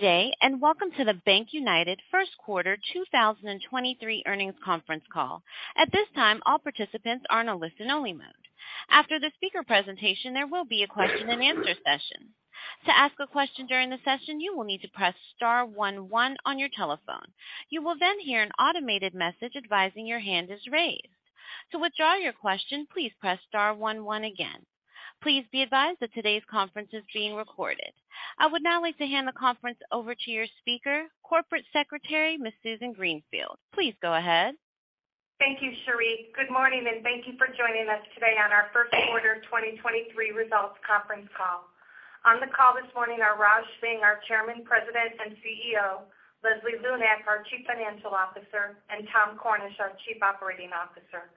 Good day. Welcome to the BankUnited First Quarter 2023 Earnings Conference Call. At this time, all participants are in a listen-only mode. After the speaker presentation, there will be a question and answer session. To ask a question during the session, you will need to press star one one on your telephone. You will hear an automated message advising your hand is raised. To withdraw your question, please press star one one again. Please be advised that today's conference is being recorded. I would now like to hand the conference over to your speaker, Corporate Secretary, Ms. Susan Greenfield. Please go ahead. Thank you, Sherry. Good morning, and thank you for joining us today on our first quarter 2023 results conference call. On the call this morning are Raj Singh, our Chairman, President, and CEO; Leslie Lunak, our Chief Financial Officer; and Tom Cornish, our Chief Operating Officer.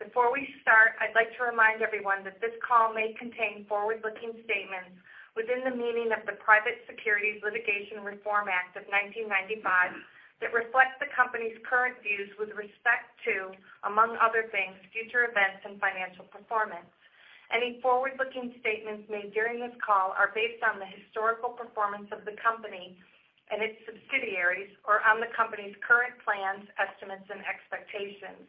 Before we start, I'd like to remind everyone that this call may contain forward-looking statements within the meaning of the Private Securities Litigation Reform Act of 1995 that reflect the company's current views with respect to, among other things, future events and financial performance. Any forward-looking statements made during this call are based on the historical performance of the company and its subsidiaries or on the company's current plans, estimates, and expectations.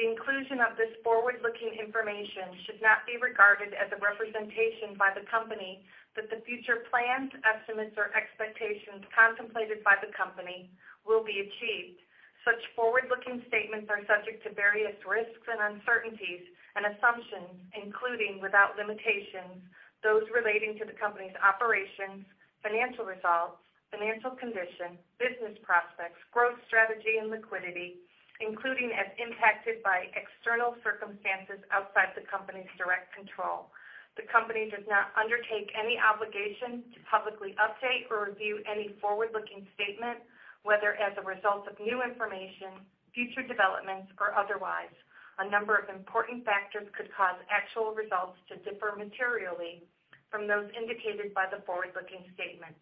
The inclusion of this forward-looking information should not be regarded as a representation by the company that the future plans, estimates, or expectations contemplated by the company will be achieved. Such forward-looking statements are subject to various risks and uncertainties and assumptions, including without limitations, those relating to the company's operations, financial results, financial condition, business prospects, growth strategy, and liquidity, including as impacted by external circumstances outside the company's direct control. The company does not undertake any obligation to publicly update or review any forward-looking statement, whether as a result of new information, future developments, or otherwise. A number of important factors could cause actual results to differ materially from those indicated by the forward-looking statements.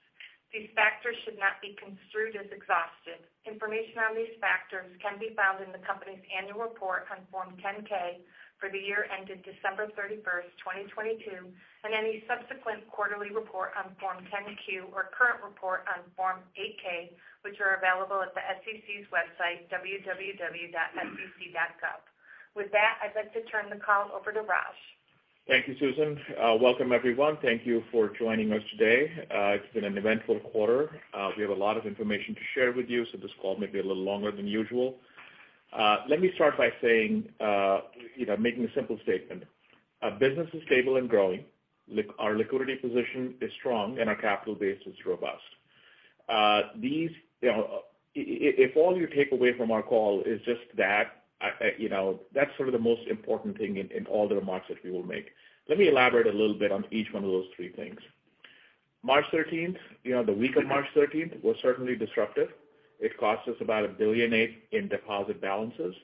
These factors should not be construed as exhaustive. Information on these factors can be found in the company's annual report on Form 10-K for the year ended December 31st, 2022, and any subsequent quarterly report on Form 10-Q or current report on Form 8-K, which are available at the SEC's website, www.sec.gov.With that, I'd like to turn the call over to Raj. Thank you, Susan. Welcome everyone. Thank you for joining us today. It's been an eventful quarter. We have a lot of information to share with you, so this call may be a little longer than usual. Let me start by saying, you know, making a simple statement. Our business is stable and growing. Our liquidity position is strong, and our capital base is robust. These, you know, if all you take away from our call is just that, you know, that's sort of the most important thing in all the remarks that we will make. Let me elaborate a little bit on each one of those three things. March 13th, you know, the week of March 13th was certainly disruptive. It cost us about $1.8 billion in deposit balances.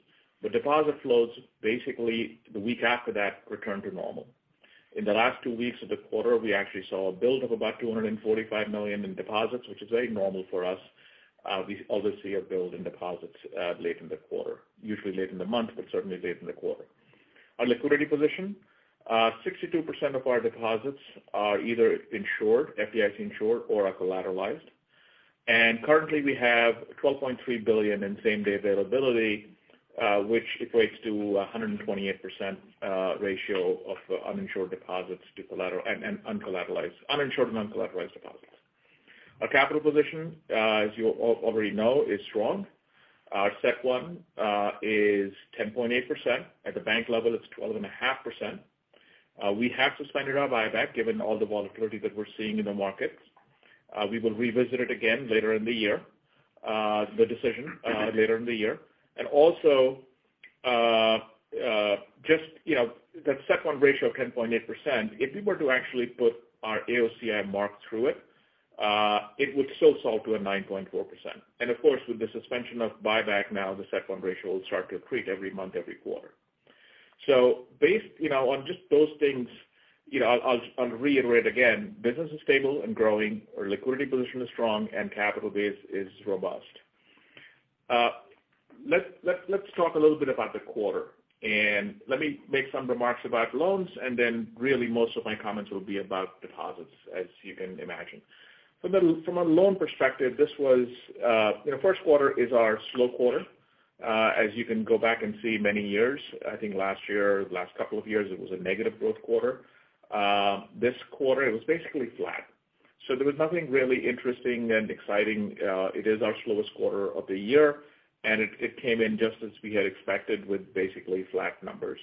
The deposit flows basically the week after that returned to normal. In the last two weeks of the quarter, we actually saw a build of about $245 million in deposits, which is very normal for us. We obviously have build in deposits late in the quarter, usually late in the month, but certainly late in the quarter. Our liquidity position, 62% of our deposits are either insured, FDIC insured or are collateralized. Currently, we have $12.3 billion in same-day availability, which equates to a 128% ratio of uninsured deposits to uninsured and uncollateralized deposits. Our capital position, as you already know, is strong. Our CET1 is 10.8%. At the bank level, it's 12.5%. We have suspended our buyback given all the volatility that we're seeing in the markets. We will revisit it again later in the year, the decision later in the year. Just, you know, the CET1 ratio of 10.8%, if we were to actually put our AOCI mark through it would still solve to a 9.4%. With the suspension of buyback now the CET1 ratio will start to accrete every month, every quarter. Based, you know, on just those things, you know, I'll reiterate again, business is stable and growing, our liquidity position is strong, and capital base is robust. Let's talk a little bit about the quarter, let me make some remarks about loans, and then really most of my comments will be about deposits, as you can imagine. From a loan perspective, this was, you know, first quarter is our slow quarter. As you can go back and see many years, I think last year, the last couple of years, it was a negative growth quarter. This quarter it was basically flat. There was nothing really interesting and exciting. It is our slowest quarter of the year, and it came in just as we had expected with basically flat numbers.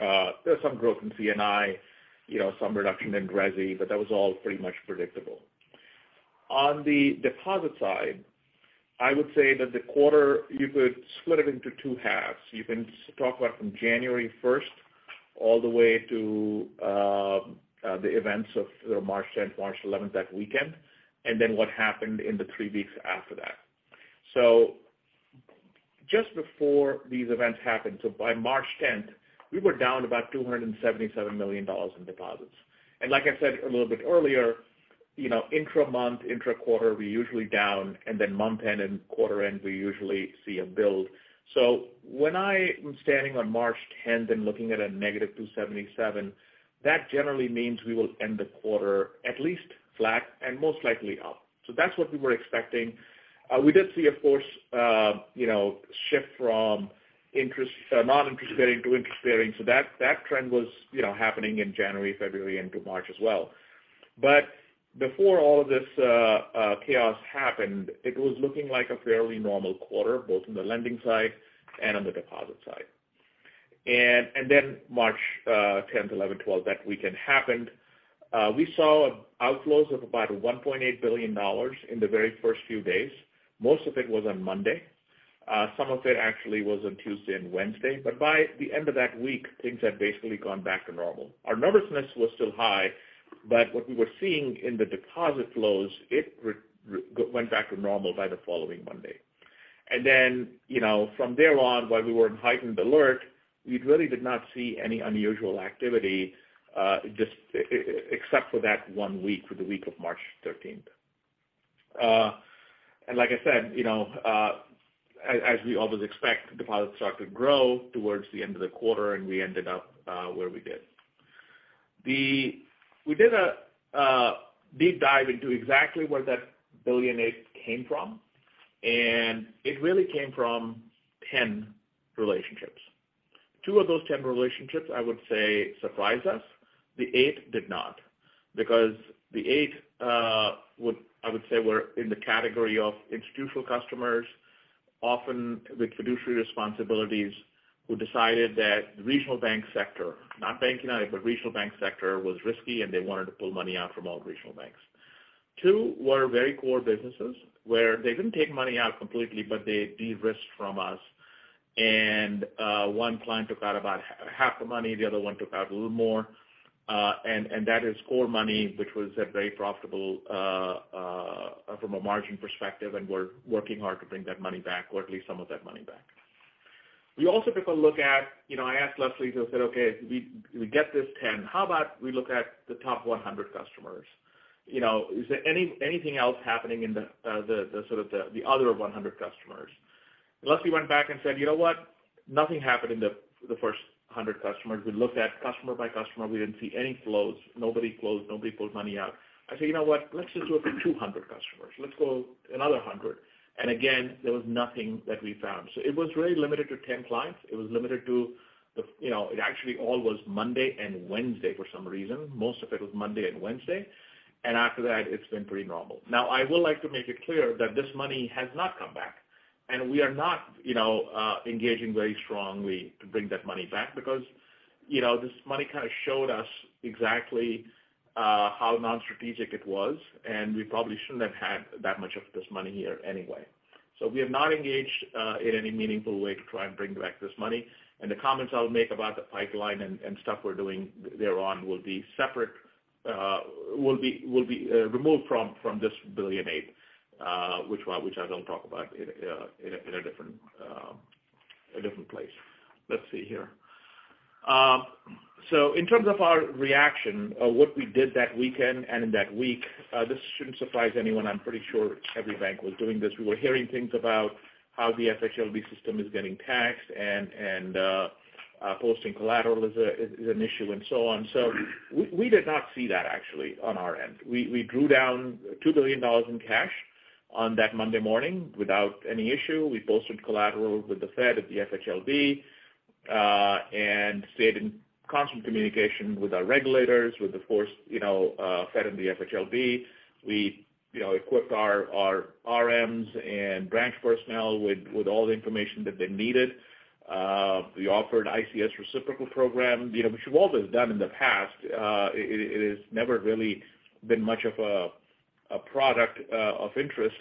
There's some growth in C&I, you know, some reduction in resi, but that was all pretty much predictable. On the deposit side, I would say that the quarter, you could split it into two halves. You can talk about from January 1st all the way to the events of March 10th, March 11th, that weekend. What happened in the three weeks after that. Just before these events happened, by March 10th, we were down about $277 million in deposits. Like I said a little bit earlier. You know, intra-month, intra-quarter, we're usually down. Month-end and quarter-end, we usually see a build. When I was standing on March 10th and looking at a -$277 million, that generally means we will end the quarter at least flat and most likely up. We did see, of course, you know, shift from non-interest bearing to interest bearing. That trend was, you know, happening in January, February into March as well. Before all of this chaos happened, it was looking like a fairly normal quarter, both on the lending side and on the deposit side. March 10th, 11th, 12th, that weekend happened. We saw outflows of about $1.8 billion in the very first few days. Most of it was on Monday. Some of it actually was on Tuesday and Wednesday. By the end of that week, things had basically gone back to normal. Our nervousness was still high, but what we were seeing in the deposit flows, it went back to normal by the following Monday. You know, from there on, while we were in heightened alert, we really did not see any unusual activity, just except for that one week, for the week of March 13th. Like I said, you know, as we always expect, deposits start to grow towards the end of the quarter, and we ended up where we did. We did a deep dive into exactly where that $1.8 billion came from, and it really came from 10 relationships. Two of those 10 relationships I would say surprised us. The eight did not because the eight I would say were in the category of institutional customers, often with fiduciary responsibilities, who decided that the regional bank sector, not BankUnited, but regional bank sector was risky and they wanted to pull money out from all regional banks. Two were very core businesses where they didn't take money out completely, but they de-risked from us. One client took out about half the money, the other one took out a little more. That is core money, which was very profitable from a margin perspective, and we're working hard to bring that money back or at least some of that money back. We also took a look at, you know, I asked Leslie, who said, "Okay, we get this 10. How about we look at the top 100 customers? You know, is there anything else happening in the sort of the other 100 customers?" Leslie went back and said, "You know what? Nothing happened in the first 100 customers. We looked at customer by customer. We didn't see any flows. Nobody closed. Nobody pulled money out." I said, "You know what? Let's just do it for 200 customers. Let's go another 100." Again, there was nothing that we found. It was really limited to 10 clients. It was limited to the. You know, it actually all was Monday and Wednesday for some reason. Most of it was Monday and Wednesday. After that, it's been pretty normal. Now, I will like to make it clear that this money has not come back, and we are not, you know, engaging very strongly to bring that money back because, you know, this money kind of showed us exactly how non-strategic it was, and we probably shouldn't have had that much of this money here anyway. We have not engaged in any meaningful way to try and bring back this money. The comments I'll make about the pipeline and stuff we're doing there on will be separate, will be removed from this $1.8 billion, which I will talk about in a different place. Let's see here. In terms of our reaction of what we did that weekend and in that week, this shouldn't surprise anyone. I'm pretty sure every bank was doing this. We were hearing things about how the FHLB system is getting taxed and posting collateral is an issue and so on. We did not see that actually on our end. We drew down $2 billion in cash on that Monday morning without any issue. We posted collateral with the Fed at the FHLB, and stayed in constant communication with our regulators, with the force, you know, Fed and the FHLB. We, you know, equipped our RMs and branch personnel with all the information that they needed. We offered ICS reciprocal program, you know, which we've always done in the past. It has never really been much of a product of interest,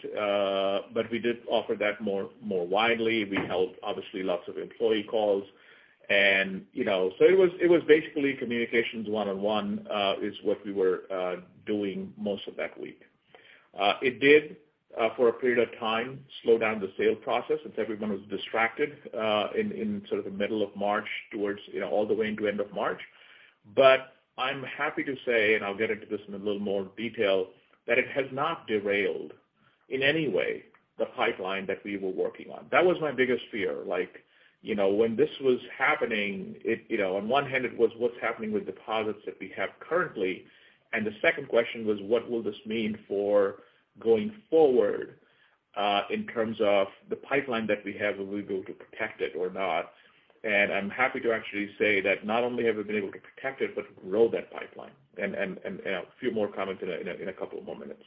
but we did offer that more widely. We held obviously lots of employee calls and, you know. It was basically communications one-on-one, is what we were doing most of that week. It did, for a period of time, slow down the sales process since everyone was distracted, in sort of the middle of March towards, you know, all the way into end of March. I'm happy to say, and I'll get into this in a little more detail, that it has not derailed in any way the pipeline that we were working on. That was my biggest fear. Like, you know, when this was happening, it, you know, on one hand it was what's happening with deposits that we have currently, and the second question was, what will this mean for going forward, in terms of the pipeline that we have, will we be able to protect it or not? I'm happy to actually say that not only have we been able to protect it, but grow that pipeline. A few more comments in a couple of more minutes.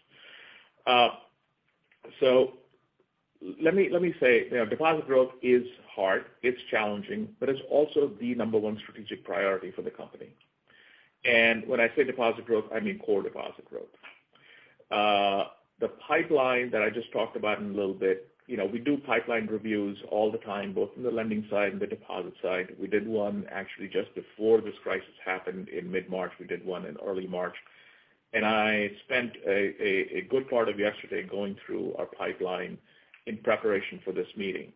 Let me say, you know, deposit growth is hard, it's challenging, but it's also the number one strategic priority for the company. When I say deposit growth, I mean core deposit growth. The pipeline that I just talked about in a little bit, you know, we do pipeline reviews all the time, both in the lending side and the deposit side. We did one actually just before this crisis happened in mid-March. We did one in early March. I spent a good part of yesterday going through our pipeline in preparation for this meeting.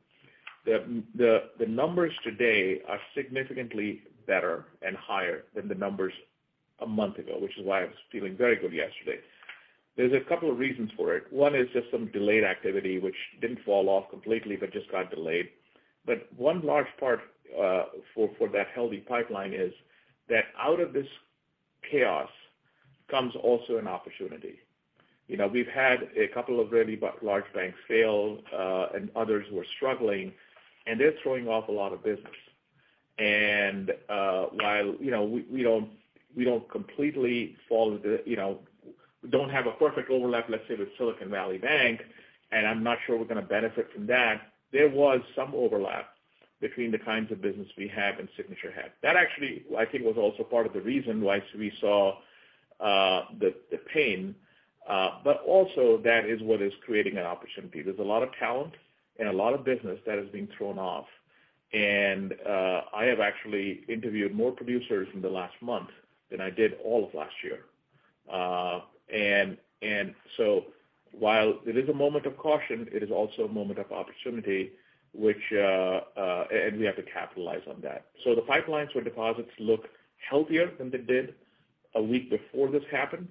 The numbers today are significantly better and higher than the numbers one month ago, which is why I was feeling very good yesterday. There's a couple of reasons for it. One is just some delayed activity which didn't fall off completely but just got delayed. One large part for that healthy pipeline is that out of this chaos comes also an opportunity. You know, we've had a couple of really large banks fail, and others who are struggling, and they're throwing off a lot of business. While, you know, we don't completely follow the, you know, don't have a perfect overlap, let's say, with Silicon Valley Bank, and I'm not sure we're gonna benefit from that. There was some overlap between the kinds of business we have and Signature had. That actually, I think, was also part of the reason why we saw the pain, but also that is what is creating an opportunity. There's a lot of talent and a lot of business that is being thrown off. I have actually interviewed more producers in the last month than I did all of last year. While it is a moment of caution, it is also a moment of opportunity, which, and we have to capitalize on that. The pipelines for deposits look healthier than they did a week before this happened,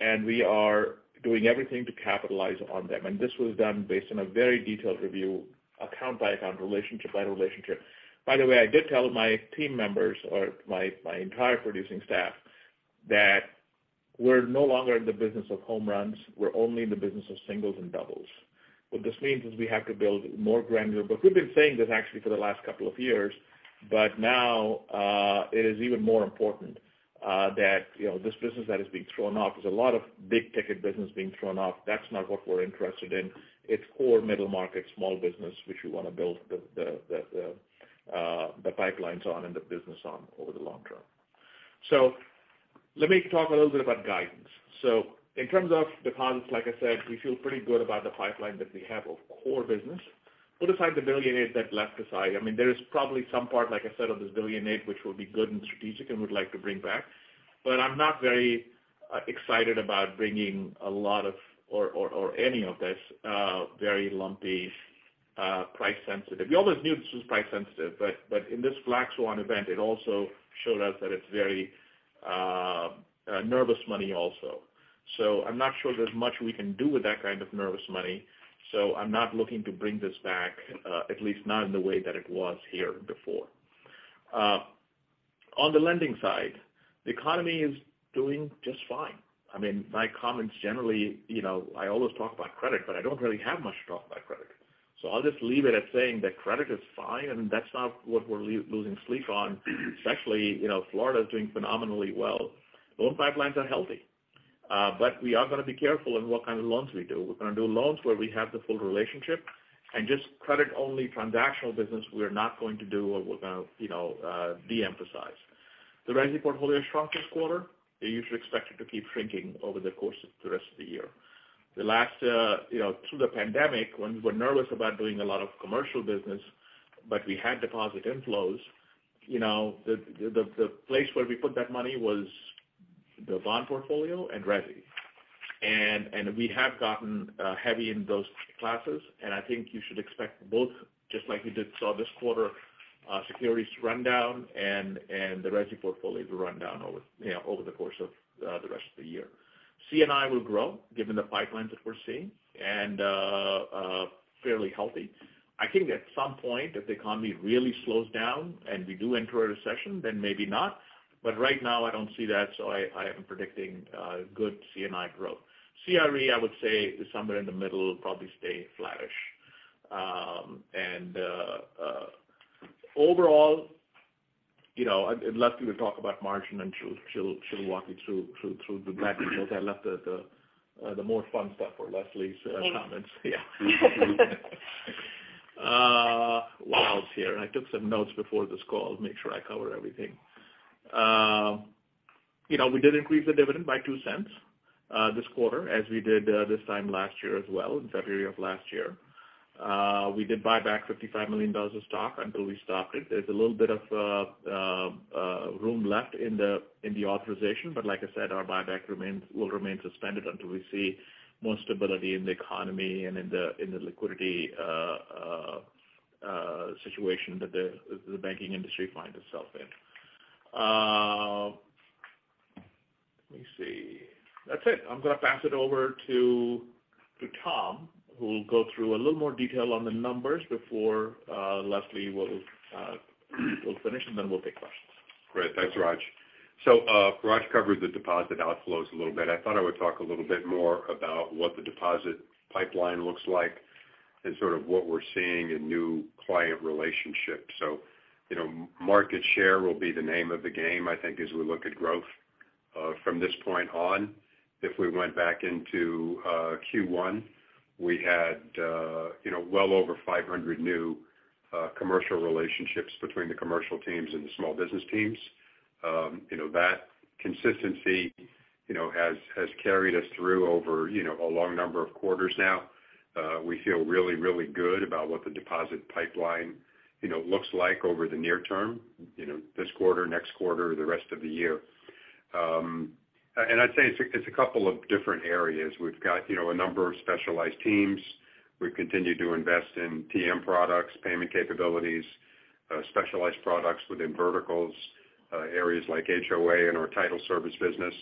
and we are doing everything to capitalize on them. This was done based on a very detailed review, account by account, relationship by relationship. By the way, I did tell my team members or my entire producing staff that we're no longer in the business of home runs. We're only in the business of singles and doubles. What this means is we have to build more granular. We've been saying this actually for the last couple of years, but now, it is even more important, that, you know, this business that is being thrown off is a lot of big-ticket business being thrown off. That's not what we're interested in. It's core middle market, small business which we wanna build the pipelines on and the business on over the long term. Let me talk a little bit about guidance. In terms of deposits, like I said, we feel pretty good about the pipeline that we have of core business. Put aside the $1.8 billion that left us. I mean, there is probably some part, like I said, of this $1.8 billion which will be good and strategic and we'd like to bring back. I'm not very excited about bringing a lot of or any of this very lumpy, price sensitive. We always knew this was price sensitive, but in this black swan event, it also showed us that it's very nervous money also. I'm not sure there's much we can do with that kind of nervous money, so I'm not looking to bring this back, at least not in the way that it was here before. On the lending side, the economy is doing just fine. I mean, my comments generally, you know, I always talk about credit, but I don't really have much to talk about credit. I'll just leave it at saying that credit is fine, and that's not what we're losing sleep on. It's actually, you know, Florida is doing phenomenally well. Loan pipelines are healthy. We are gonna be careful in what kind of loans we do. We're gonna do loans where we have the full relationship and just credit-only transactional business we're not going to do or we're gonna, you know, de-emphasize. The Resi Portfolio shrunk this quarter. You should expect it to keep shrinking over the course of the rest of the year. The last, you know, through the pandemic when we were nervous about doing a lot of commercial business but we had deposit inflows, you know, the place where we put that money was the bond portfolio and resi. We have gotten heavy in those classes, and I think you should expect both, just like you did saw this quarter, securities run down and the Resi Portfolio to run down over the course of the rest of the year. C&I will grow given the pipelines that we're seeing and fairly healthy. I think at some point, if the economy really slows down and we do enter a recession, then maybe not. Right now I don't see that, so I am predicting good C&I growth. CRE, I would say is somewhere in the middle, probably stay flattish. Overall, I'd love you to talk about margin and she'll walk you through the financials. I left the more fun stuff for Leslie's comments. Yeah. While I was here I took some notes before this call to make sure I cover everything. You know, we did increase the dividend by $0.02 this quarter, as we did this time last year as well, in February of 2022. We did buy back $55 million of stock until we stopped it. There's a little bit of room left in the authorization, but like I said, our buyback will remain suspended until we see more stability in the economy and in the liquidity situation that the banking industry finds itself in. Let me see. That's it. I'm gonna pass it over to Tom, who will go through a little more detail on the numbers before Leslie will finish, then we'll take questions. Great. Thanks, Raj. Raj covered the deposit outflows a little bit. I thought I would talk a little bit more about what the deposit pipeline looks like and sort of what we're seeing in new client relationships. You know, market share will be the name of the game, I think, as we look at growth from this point on. If we went back into Q1, we had, you know, well over 500 new commercial relationships between the commercial teams and the small business teams. You know, that consistency, you know, has carried us through over, you know, a long number of quarters now. We feel really, really good about what the deposit pipeline, you know, looks like over the near term, you know, this quarter, next quarter, the rest of the year. I'd say it's a couple of different areas. We've got, you know, a number of specialized teams. We've continued to invest in TM products, payment capabilities, specialized products within verticals, areas like HOA and our title service business,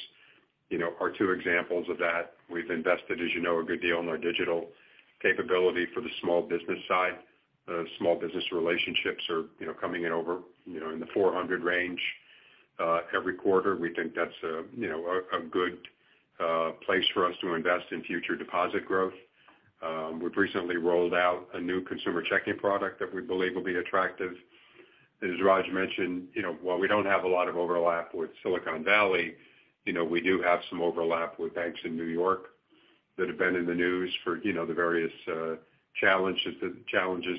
you know, are two examples of that. We've invested, as you know, a good deal in our digital capability for the small business side. Small business relationships are, you know, coming in over, you know, in the 400 range every quarter. We think that's a, you know, a good place for us to invest in future deposit growth. We've recently rolled out a new consumer checking product that we believe will be attractive. As Raj mentioned, you know, while we don't have a lot of overlap with Silicon Valley, you know, we do have some overlap with banks in New York that have been in the news for, you know, the various challenges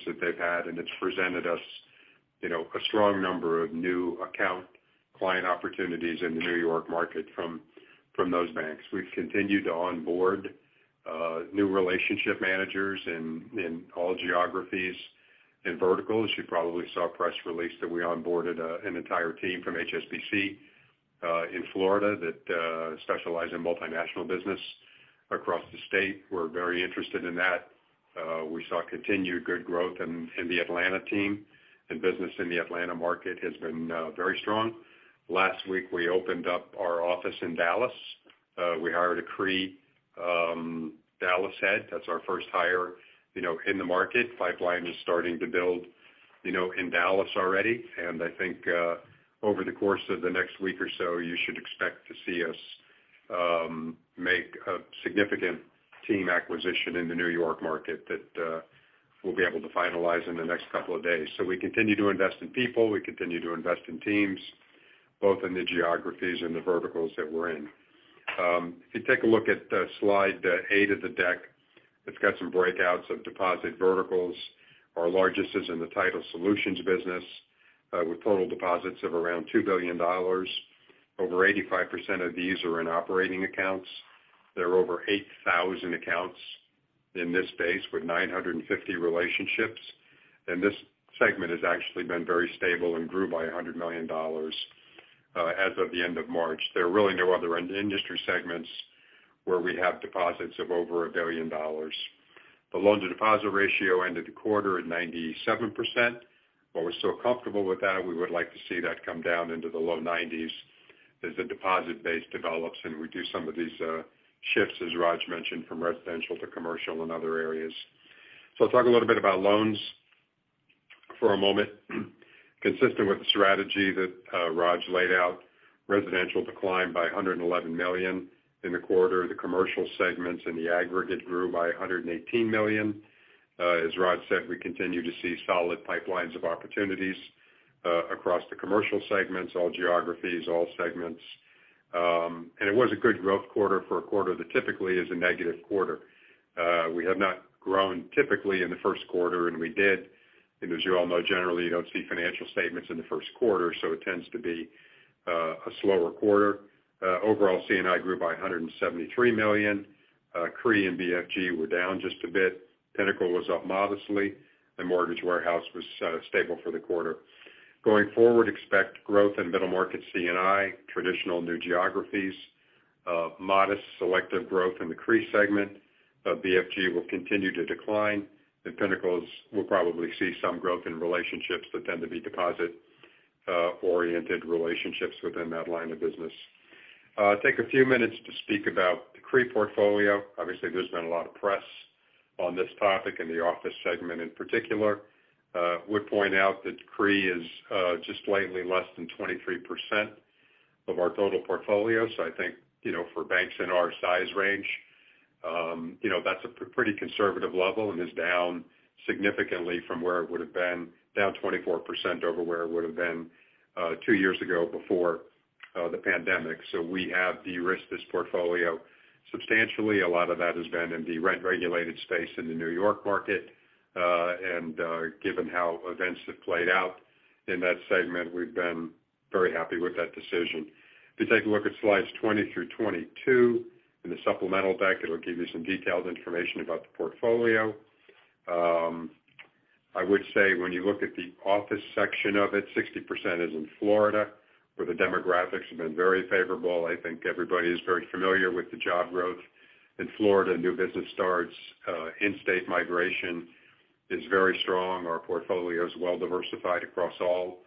that they've had, and it's presented us, you know, a strong number of new account client opportunities in the New York market from those banks. We've continued to onboard new relationship managers in all geographies and verticals. You probably saw a press release that we onboarded an entire team from HSBC in Florida that specialize in multinational business across the state. We're very interested in that. We saw continued good growth in the Atlanta team, and business in the Atlanta market has been very strong. Last week, we opened up our office in Dallas. We hired a CRE Dallas head. That's our first hire, you know, in the market. Pipeline is starting to build, you know, in Dallas already. I think over the course of the next week or so, you should expect to see us make a significant team acquisition in the New York market that we'll be able to finalize in the next couple of days. We continue to invest in people, we continue to invest in teams, both in the geographies and the verticals that we're in. If you take a look at slide eight of the deck, it's got some breakouts of deposit verticals. Our largest is in the title solutions business, with total deposits of around $2 billion. Over 85% of these are in operating accounts. There are over 8,000 accounts in this space with 950 relationships. This segment has actually been very stable and grew by $100 million as of the end of March. There are really no other in-industry segments where we have deposits of over $1 billion. The loan-to-deposit ratio ended the quarter at 97%. While we're still comfortable with that, we would like to see that come down into the low 90s as the deposit base develops, and we do some of these shifts, as Raj mentioned, from residential to commercial and other areas. I'll talk a little bit about loans for a moment. Consistent with the strategy that Raj laid out, residential declined by $111 million in the quarter. The commercial segments in the aggregate grew by $118 million. As Raj said, we continue to see solid pipelines of opportunities across the commercial segments, all geographies, all segments. It was a good growth quarter for a quarter that typically is a negative quarter. We have not grown typically in the first quarter, and we did. As you all know, generally, you don't see financial statements in the first quarter, so it tends to be a slower quarter. Overall C&I grew by $173 million. CRE and BFG were down just a bit. Pinnacle was up modestly, and Mortgage Warehouse was stable for the quarter. Going forward, expect growth in middle market C&I, traditional new geographies, modest selective growth in the CRE segment. BFG will continue to decline, and Pinnacles will probably see some growth in relationships that tend to be deposit, oriented relationships within that line of business. Take a few minutes to speak about the CRE portfolio. Obviously, there's been a lot of press on this topic in the office segment in particular. would point out that CRE is just slightly less than 23% of our total portfolio. I think, you know, for banks in our size range, you know, that's a pretty conservative level and is down significantly from where it would have been, down 24% over where it would have been, two years ago before the pandemic. We have de-risked this portfolio substantially. A lot of that has been in the re-regulated space in the New York market. Given how events have played out in that segment, we've been very happy with that decision. If you take a look at slides 20 through 22 in the supplemental deck, it'll give you some detailed information about the portfolio. I would say when you look at the office section of it, 60% is in Florida, where the demographics have been very favorable. I think everybody is very familiar with the job growth in Florida. New business starts, in-state migration is very strong. Our portfolio is well diversified across all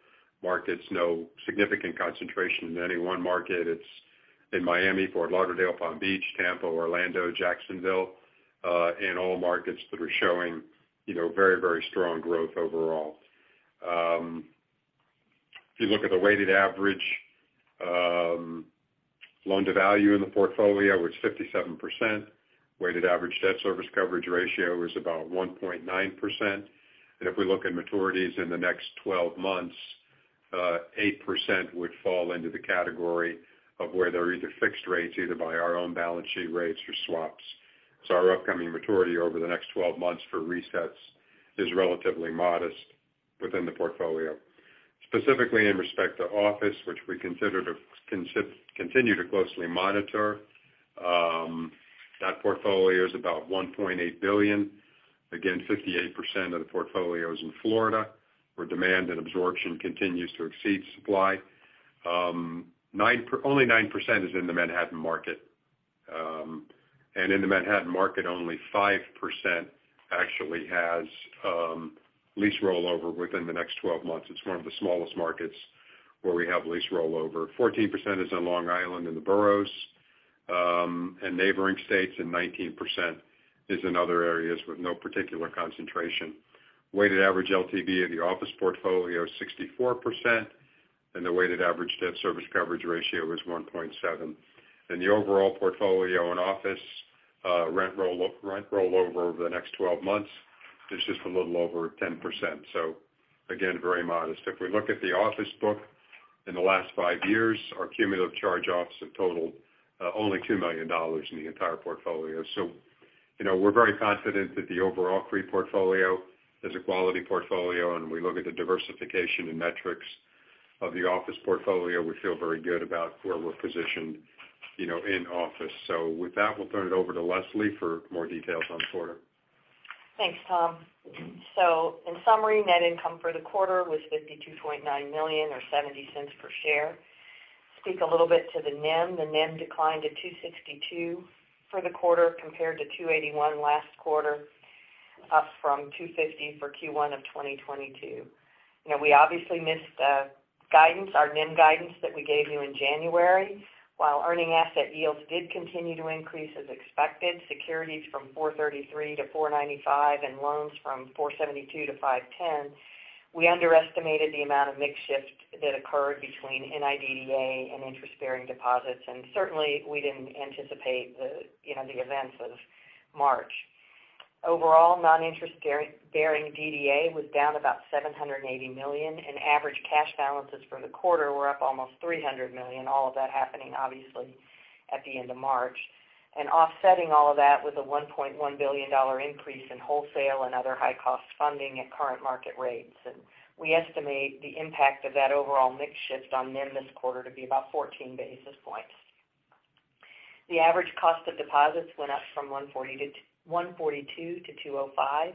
markets, no significant concentration in any one market. It's in Miami, Fort Lauderdale, Palm Beach, Tampa, Orlando, Jacksonville, in all markets that are showing, you know, very strong growth overall. If you look at the weighted average loan-to-value in the portfolio was 57%. Weighted average debt service coverage ratio was about 1.9%. If we look at maturities in the next 12 months, 8% would fall into the category of where they're either fixed rates, either by our own balance sheet rates or swaps. Our upcoming maturity over the next 12 months for resets is relatively modest within the portfolio. Specifically in respect to office, which we consider to continue to closely monitor that portfolio is about $1.8 billion. 58% of the portfolio is in Florida, where demand and absorption continues to exceed supply. Only 9% is in the Manhattan market. In the Manhattan market, only 5% actually has lease rollover within the next 12 months. It's one of the smallest markets where we have lease rollover. 14% is in Long Island and the Boroughs, and neighboring states, and 19% is in other areas with no particular concentration. Weighted average LTV of the office portfolio is 64%, and the weighted average debt service coverage ratio is 1.7. In the overall portfolio and office, rent rollover over the next 12 months is just a little over 10%. Again, very modest. If we look at the office book in the last 5 years, our cumulative charge-offs have totaled only $2 million in the entire portfolio. You know, we're very confident that the overall free portfolio is a quality portfolio, and we look at the diversification and metrics of the office portfolio. We feel very good about where we're positioned, you know, in office. With that, we'll turn it over to Leslie for more details on quarter. Thanks, Tom. In summary, net income for the quarter was $52.9 million, or $0.70 per share. Speak a little bit to the NIM. The NIM declined to 2.62% for the quarter compared to 2.81% last quarter, up from 2.50% for Q1 of 2022. You know, we obviously missed guidance, our NIM guidance that we gave you in January. While earning asset yields did continue to increase as expected, securities from 4.33% to 4.95% and loans from 4.72% to 5.10%, we underestimated the amount of mix shift that occurred between NIDDA and interest-bearing deposits. Certainly, we didn't anticipate the, you know, the events of March. Overall, non-interest bearing DDA was down about $780 million, and average cash balances for the quarter were up almost $300 million. All of that happening obviously at the end of March. Offsetting all of that was a $1.1 billion increase in wholesale and other high-cost funding at current market rates. We estimate the impact of that overall mix shift on NIM this quarter to be about 14 basis points. The average cost of deposits went up from 142 to 205,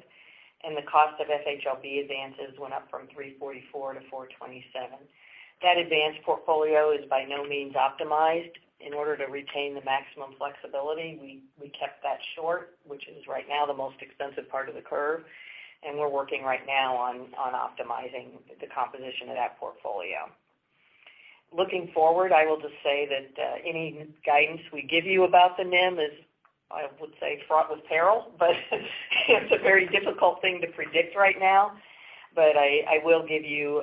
and the cost of FHLB advances went up from 344 to 427. That advanced portfolio is by no means optimized. In order to retain the maximum flexibility, we kept that short, which is right now the most expensive part of the curve, and we're working right now on optimizing the composition of that portfolio. Looking forward, I will just say that any guidance we give you about the NIM is, I would say, fraught with peril, it's a very difficult thing to predict right now. I will give you,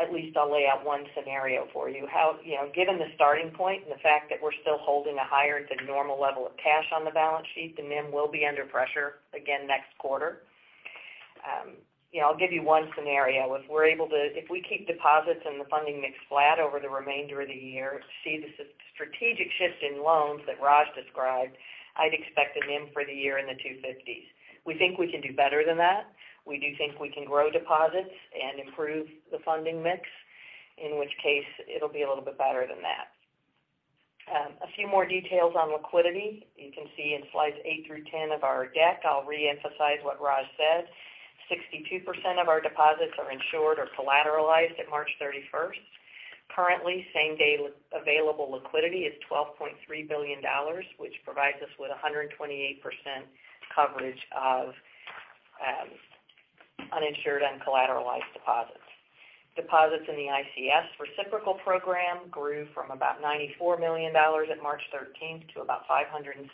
at least I'll lay out one scenario for you. How, you know, given the starting point and the fact that we're still holding a higher than normal level of cash on the balance sheet, the NIM will be under pressure again next quarter. You know, I'll give you one scenario. If we're able to if we keep deposits and the funding mix flat over the remainder of the year to see the strategic shift in loans that Raj described, I'd expect a NIM for the year in the 2.50%s. We think we can do better than that. We do think we can grow deposits and improve the funding mix, in which case it'll be a little bit better than that. A few more details on liquidity. You can see in slides eight through 10 of our deck, I'll reemphasize what Raj said. 62% of our deposits are insured or collateralized at March 31st. Currently, same day available liquidity is $12.3 billion, which provides us with 128% coverage of uninsured and collateralized deposits. Deposits in the ICS reciprocal program grew from about $94 million at March 13th to about $574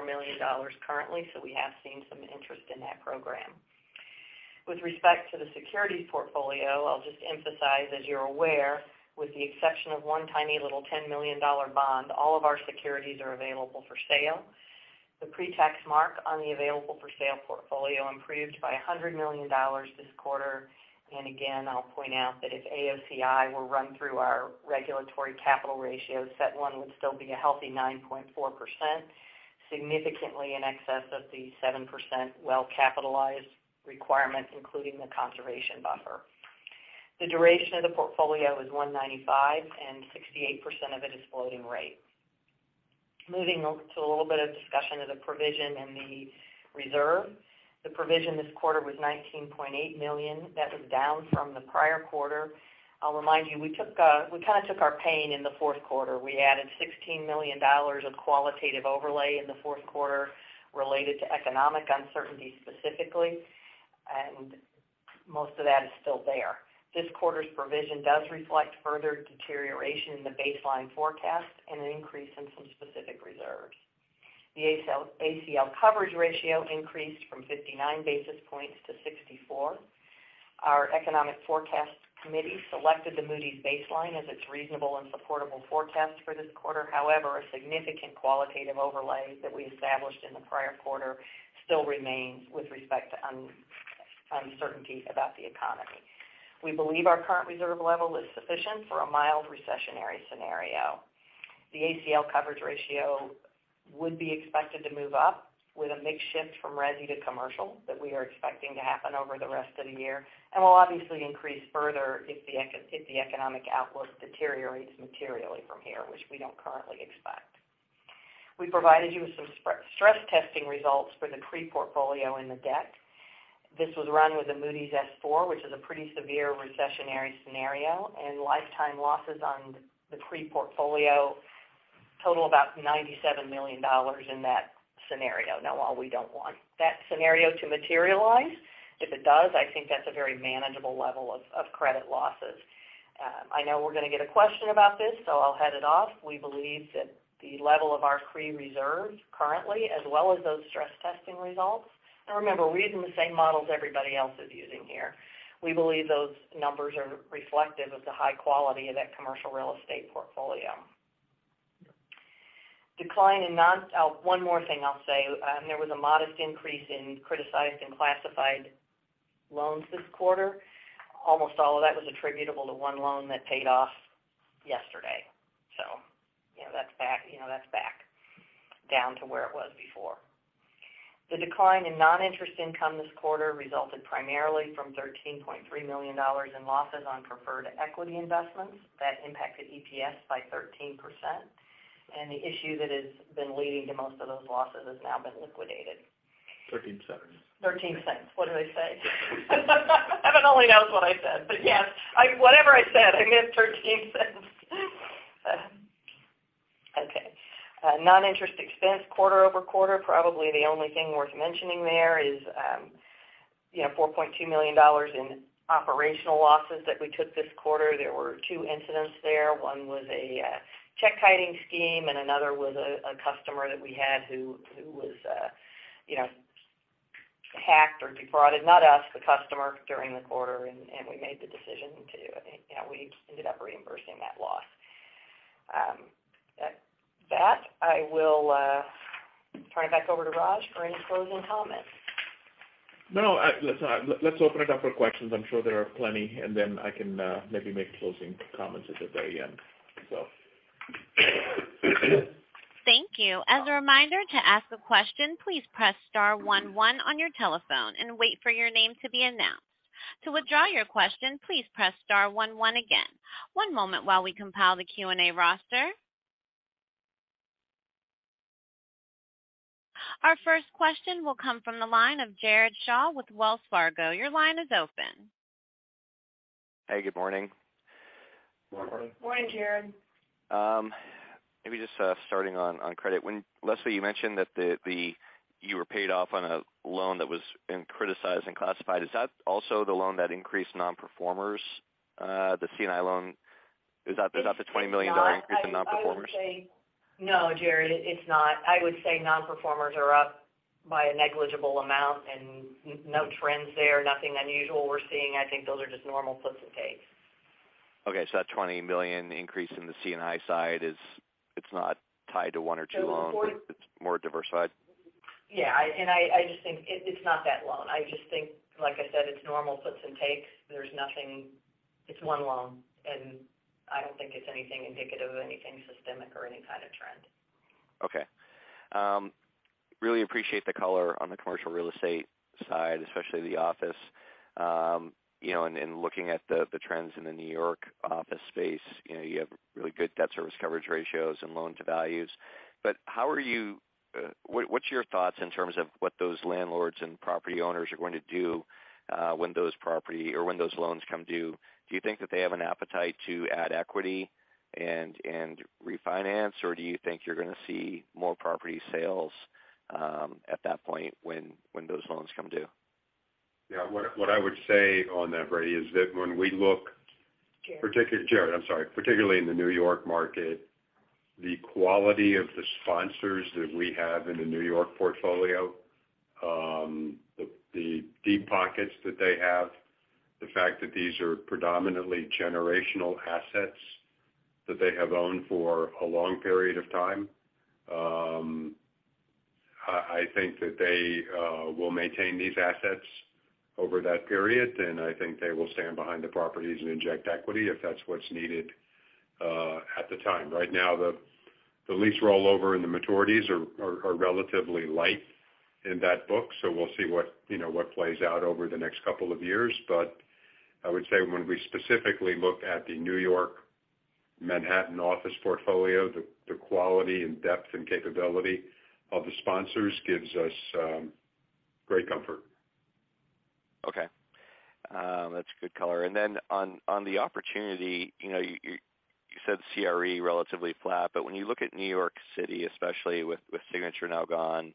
million currently. We have seen some interest in that program. With respect to the securities portfolio, I'll just emphasize, as you're aware, with the exception of one tiny little $10 million bond, all of our securities are available for sale. The pre-tax mark on the available for sale portfolio improved by $100 million this quarter. Again, I'll point out that if AOCI were run through our regulatory capital ratios, CET1 would still be a healthy 9.4%, significantly in excess of the 7% well-capitalized requirements, including the conservation buffer. The duration of the portfolio is 195, and 68% of it is floating rate. Moving on to a little bit of discussion of the provision in the reserve. The provision this quarter was $19.8 million. That was down from the prior quarter. I'll remind you, we took, we kind of took our pain in the fourth quarter. We added $16 million of qualitative overlay in the fourth quarter related to economic uncertainty specifically, and most of that is still there. This quarter's provision does reflect further deterioration in the baseline forecast and an increase in some specific reserves. The ACL coverage ratio increased from 59 basis points to 64 basis points. Our economic forecast committee selected the Moody's baseline as its reasonable and supportable forecast for this quarter. However, a significant qualitative overlay that we established in the prior quarter still remains with respect to uncertainty about the economy. We believe our current reserve level is sufficient for a mild recessionary scenario. The ACL coverage ratio would be expected to move up with a mix shift from Resi to commercial that we are expecting to happen over the rest of the year. Will obviously increase further if the economic outlook deteriorates materially from here, which we don't currently expect. We provided you with some stress testing results for the CRE portfolio and the debt. This was run with a Moody's S4, which is a pretty severe recessionary scenario. Lifetime losses on the CRE portfolio total about $97 million in that scenario. While we don't want that scenario to materialize, if it does, I think that's a very manageable level of credit losses. I know we're gonna get a question about this, so I'll head it off. We believe that the level of our CRE reserve currently, as well as those stress testing results. Remember, we're using the same models everybody else is using here. We believe those numbers are reflective of the high quality of that commercial real estate portfolio. Decline in non. Oh, one more thing I'll say. There was a modest increase in criticized and classified loans this quarter. Almost all of that was attributable to one loan that paid off yesterday. You know, that's back down to where it was before. The decline in non-interest income this quarter resulted primarily from $13.3 million in losses on preferred equity investments that impacted EPS by 13%. The issue that has been leading to most of those losses has now been liquidated. $0.13. $0.13. What did I say? Yes, whatever I said, I meant $0.13. Okay. Non-interest expense quarter-over-quarter, probably the only thing worth mentioning there is, you know, $4.2 million in operational losses that we took this quarter. There were two incidents there. One was a check kiting scheme, and another was a customer that we had who was, you know, hacked or defrauded, not us, the customer during the quarter, and we made the decision to, you know, we ended up reimbursing that loss. At that, I will turn it back over to Raj for any closing comments. No, let's open it up for questions. I'm sure there are plenty, and then I can maybe make closing comments at the very end. Thank you. As a reminder to ask a question, please press star one one on your telephone and wait for your name to be announced. To withdraw your question, please press star one one again. One moment while we compile the Q&A roster. Our first question will come from the line of Jared Shaw with Wells Fargo. Your line is open. Hey, good morning. Morning, Jared. Maybe just starting on credit. When, Leslie, you mentioned that you were paid off on a loan that was in criticized and classified, is that also the loan that increased nonperformers, the C&I loan? Is that the $20 million increase in nonperformers? It's not. I would say No, Jared, it's not. I would say nonperformers are up by a negligible amount and no trends there, nothing unusual we're seeing. I think those are just normal puts and takes. Okay. That $20 million increase in the C&I side is, it's not tied to one or two loans. It's more diversified. Yeah. I just think it's not that loan. I just think, like I said, it's normal puts and takes. It's one loan, and I don't think it's anything indicative of anything systemic or any kind of trend. Okay. Really appreciate the color on the commercial real estate side, especially the office. Looking at the trends in the New York office space, you have really good debt service coverage ratios and loan to values. How are you what's your thoughts in terms of what those landlords and property owners are going to do when those property or when those loans come due? Do you think that they have an appetite to add equity and refinance, or do you think you're gonna see more property sales at that point when those loans come due? Yeah. What I would say on that, Brady, is that when we look- Jared, I'm sorry. Particularly in the New York market, the quality of the sponsors that we have in the New York portfolio, the deep pockets that they have, the fact that these are predominantly generational assets that they have owned for a long period of time, I think that they will maintain these assets over that period, and I think they will stand behind the properties and inject equity if that's what's needed at the time. Right now, the lease rollover and the maturities are relatively light in that book, so we'll see what, you know, what plays out over the next couple of years. I would say when we specifically look at the New York Manhattan office portfolio, the quality and depth and capability of the sponsors gives us great comfort. Okay. That's good color. On the opportunity, you know, you said CRE relatively flat, but when you look at New York City, especially with Signature now gone,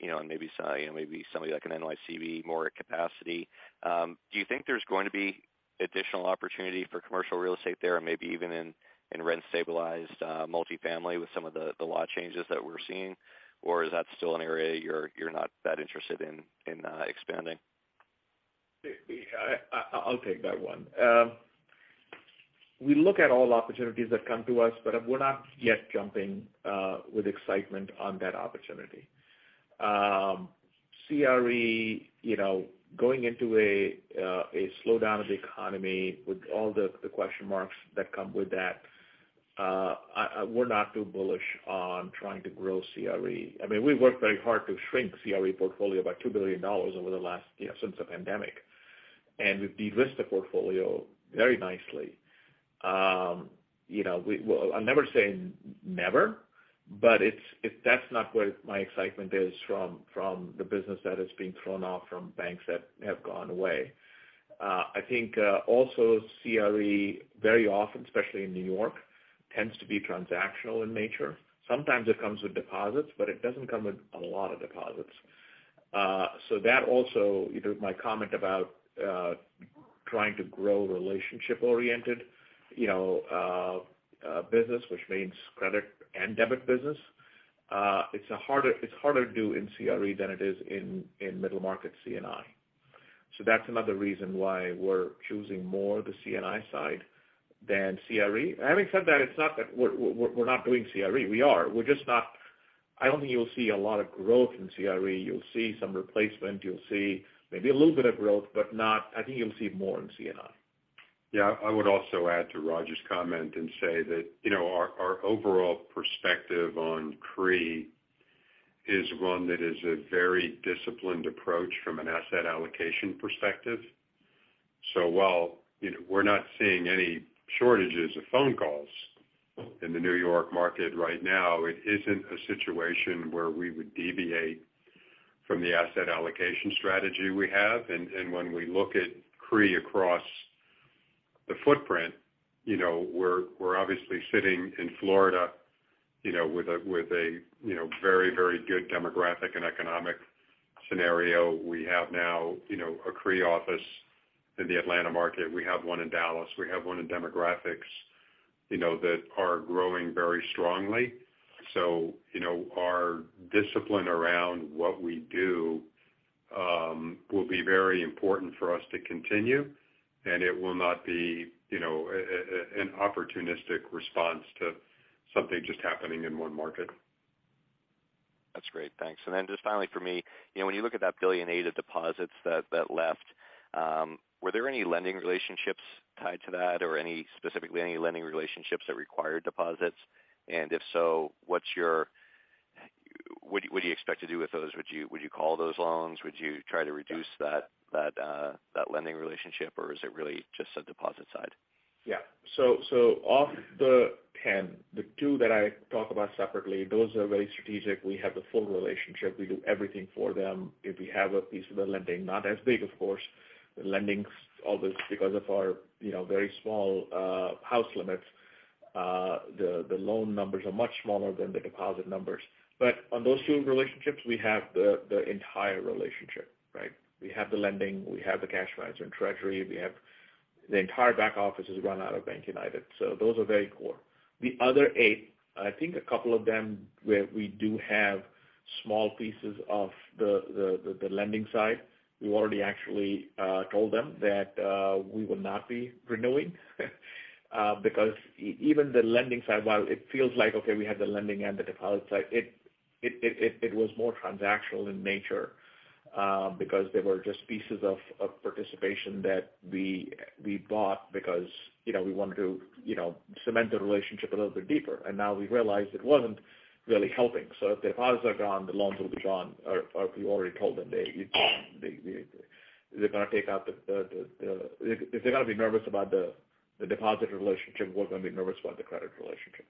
you know, and maybe somebody like an NYCB more at capacity, do you think there's going to be additional opportunity for commercial real estate there and maybe even in rent-stabilized multifamily with some of the law changes that we're seeing? Or is that still an area you're not that interested in expanding? I'll take that one. We look at all opportunities that come to us, but we're not yet jumping with excitement on that opportunity. CRE, you know, going into a slowdown of the economy with all the question marks that come with that, we're not too bullish on trying to grow CRE. I mean, we worked very hard to shrink CRE portfolio by $2 billion over the last, you know, since the pandemic. We've de-risked the portfolio very nicely. You know, well, I'm never saying never, but that's not where my excitement is from the business that is being thrown off from banks that have gone away. I think, also CRE very often, especially in New York, tends to be transactional in nature. Sometimes it comes with deposits, but it doesn't come with a lot of deposits. That also, you know, my comment about trying to grow relationship oriented, you know, business, which means credit and debit business, it's harder to do in CRE than it is in middle market C&I. That's another reason why we're choosing more of the C&I side than CRE. Having said that, it's not that we're not doing CRE. We are. We're just not... I don't think you'll see a lot of growth in CRE. You'll see some replacement. You'll see maybe a little bit of growth, but I think you'll see more in C&I. Yeah. I would also add to Raj's comment and say that, you know, our overall perspective on CRE is one that is a very disciplined approach from an asset allocation perspective. While, you know, we're not seeing any shortages of phone calls in the New York market right now, it isn't a situation where we would deviate from the asset allocation strategy we have. When we look at CRE across the footprint, you know, we're obviously sitting in Florida, you know, with a, you know, very good demographic and economic scenario. We have now, you know, a CRE office in the Atlanta market. We have one in Dallas. We have one in demographics, you know, that are growing very strongly. You know, our discipline around what we do, will be very important for us to continue, and it will not be, you know, an opportunistic response to something just happening in one market. That's great. Thanks. Just finally for me, you know, when you look at that $1.8 billion of deposits that left, were there any lending relationships tied to that or any specifically any lending relationships that required deposits? If so, what do you expect to do with those? Would you call those loans? Would you try to reduce that lending relationship, or is it really just a deposit side? Yeah. So of the 10, the two that I talk about separately, those are very strategic. We have the full relationship. We do everything for them. If we have a piece of the lending, not as big, of course. The lending's always because of our, you know, very small house limits. The loan numbers are much smaller than the deposit numbers. On those two relationships, we have the entire relationship, right? We have the lending. We have the cash management treasury. We have the entire back office is run out of BankUnited. Those are very core. The other eight, I think a couple of them where we do have small pieces of the lending side. We've already actually told them that we will not be renewing because even the lending side, while it feels like, okay, we have the lending and the deposit side, it was more transactional in nature because they were just pieces of participation that we bought because, you know, we wanted to, you know, cement the relationship a little bit deeper. Now we realized it wasn't really helping. If deposits are gone, the loans will be gone. We already told them they're gonna take out the. If they're gonna be nervous about the deposit relationship, we're gonna be nervous about the credit relationship.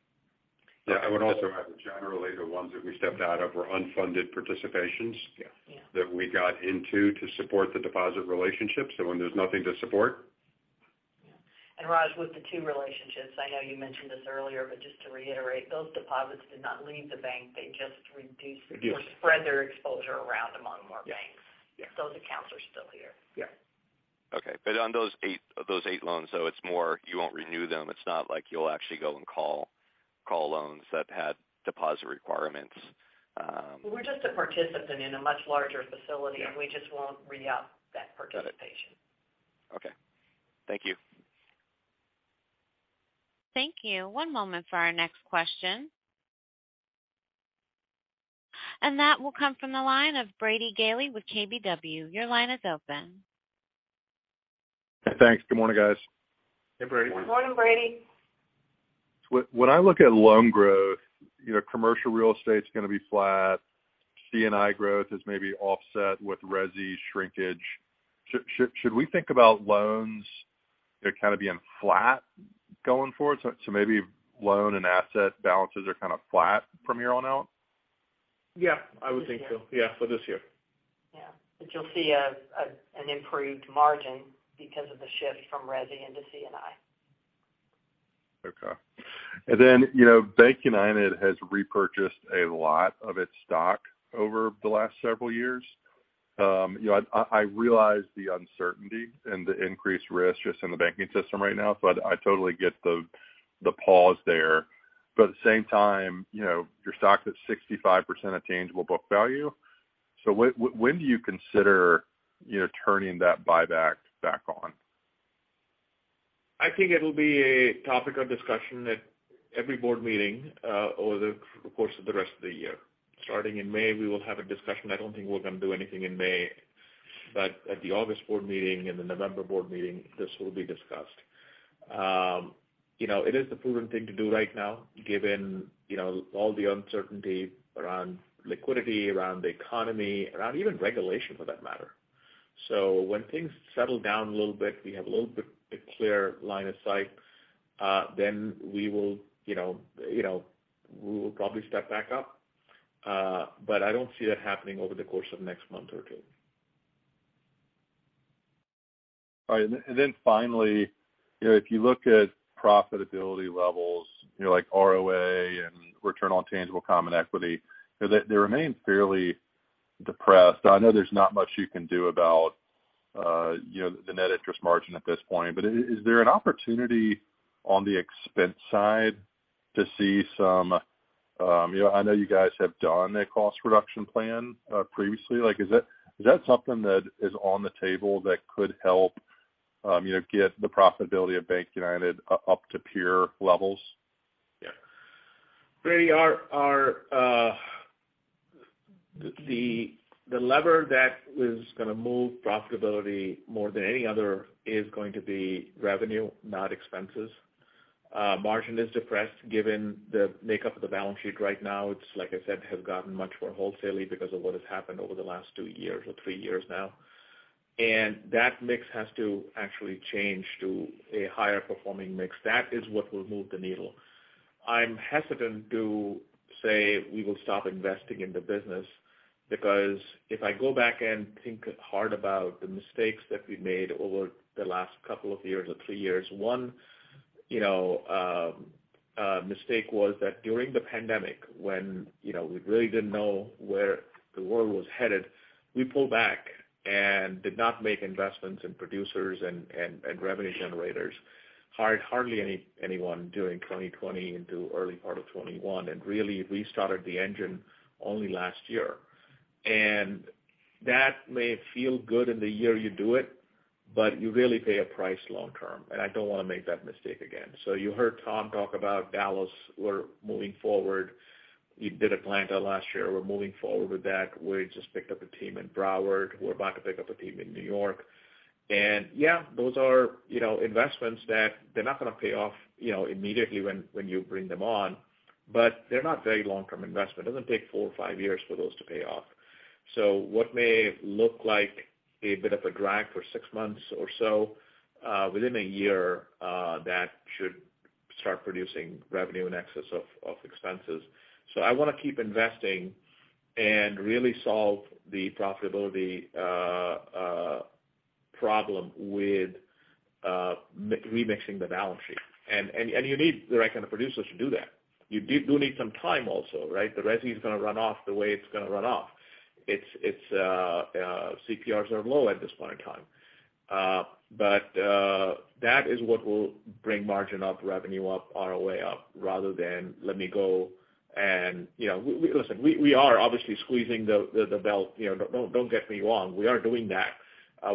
Yeah. I would also add that generally the ones that we stepped out of were unfunded participations that we got into to support the deposit relationship. When there's nothing to support. Yeah. Raj, with the two relationships, I know you mentioned this earlier, but just to reiterate, those deposits did not leave the bank. They just reduced, spread their exposure around among more banks. Those accounts are still here. Okay. On those eight, of those eight loans, it's more you won't renew them. It's not like you'll actually go and call loans that had deposit requirements. We're just a participant in a much larger facility. We just won't re-up that participation. Got it. Okay. Thank you. Thank you. One moment for our next question. That will come from the line of Brady Gailey with KBW. Your line is open. Thanks. Good morning, guys. Hey, Brady. Morning, Brady. When I look at loan growth, you know, commercial real estate's gonna be flat. C&I growth is maybe offset with Resi shrinkage. Should we think about loans, they're kind of being flat going forward? Maybe loan and asset balances are kind of flat from here on out? Yeah, I would think so. Yeah, for this year. Yeah. You'll see an improved margin because of the shift from Resi into C&I. Okay. Then, you know, BankUnited has repurchased a lot of its stock over the last several years. you know, I realize the uncertainty and the increased risk just in the banking system right now, so I totally get the pause there. At the same time, you know, your stock's at 65% of tangible book value. When do you consider, you know, turning that buyback back on? I think it'll be a topic of discussion at every board meeting over the course of the rest of the year. Starting in May, we will have a discussion. I don't think we're gonna do anything in May. At the August board meeting and the November board meeting, this will be discussed. You know, it is the prudent thing to do right now, given, you know, all the uncertainty around liquidity, around the economy, around even regulation for that matter. When things settle down a little bit, we have a little bit clear line of sight, then we will, you know, we will probably step back up. I don't see that happening over the course of the next month or two. All right. Then finally, you know, if you look at profitability levels, you know, like ROA and return on tangible common equity, they remain fairly depressed. I know there's not much you can do about, you know, the net interest margin at this point, is there an opportunity on the expense side to see some? You know, I know you guys have done a cost reduction plan, previously. Like, is that something that is on the table that could help, you know, get the profitability of BankUnited up to peer levels? Yeah. Brady, our the lever that is gonna move profitability more than any other is going to be revenue, not expenses. Margin is depressed given the makeup of the balance sheet right now. It's like I said, has gotten much more wholesaley because of what has happened over the last two years or three years now. That mix has to actually change to a higher performing mix. That is what will move the needle. I'm hesitant to say we will stop investing in the business because if I go back and think hard about the mistakes that we've made over the last couple of years or three years, one, you know, mistake was that during the pandemic when, you know, we really didn't know where the world was headed, we pulled back and did not make investments in producers and revenue generators. Hardly anyone during 2020 into early part of 2021, and really restarted the engine only last year. That may feel good in the year you do it, but you really pay a price long term, and I don't wanna make that mistake again. You heard Tom talk about Dallas. We're moving forward. We did Atlanta last year. We're moving forward with that. We just picked up a team in Broward. We're about to pick up a team in New York. Yeah, those are, you know, investments that they're not gonna pay off, you know, immediately when you bring them on, but they're not very long-term investment. It doesn't take four or five years for those to pay off. What may look like a bit of a drag for six months or so, within a year, that should start producing revenue in excess of expenses. I wanna keep investing and really solve the profitability problem with remixing the balance sheet. You need the right kind of producers to do that. You do need some time also, right? The Resi is gonna run off the way it's gonna run off. It's CPRs are low at this point in time. That is what will bring margin up, revenue up, ROA up rather than let me go. You know, listen, we are obviously squeezing the belt, you know, don't get me wrong. We are doing that.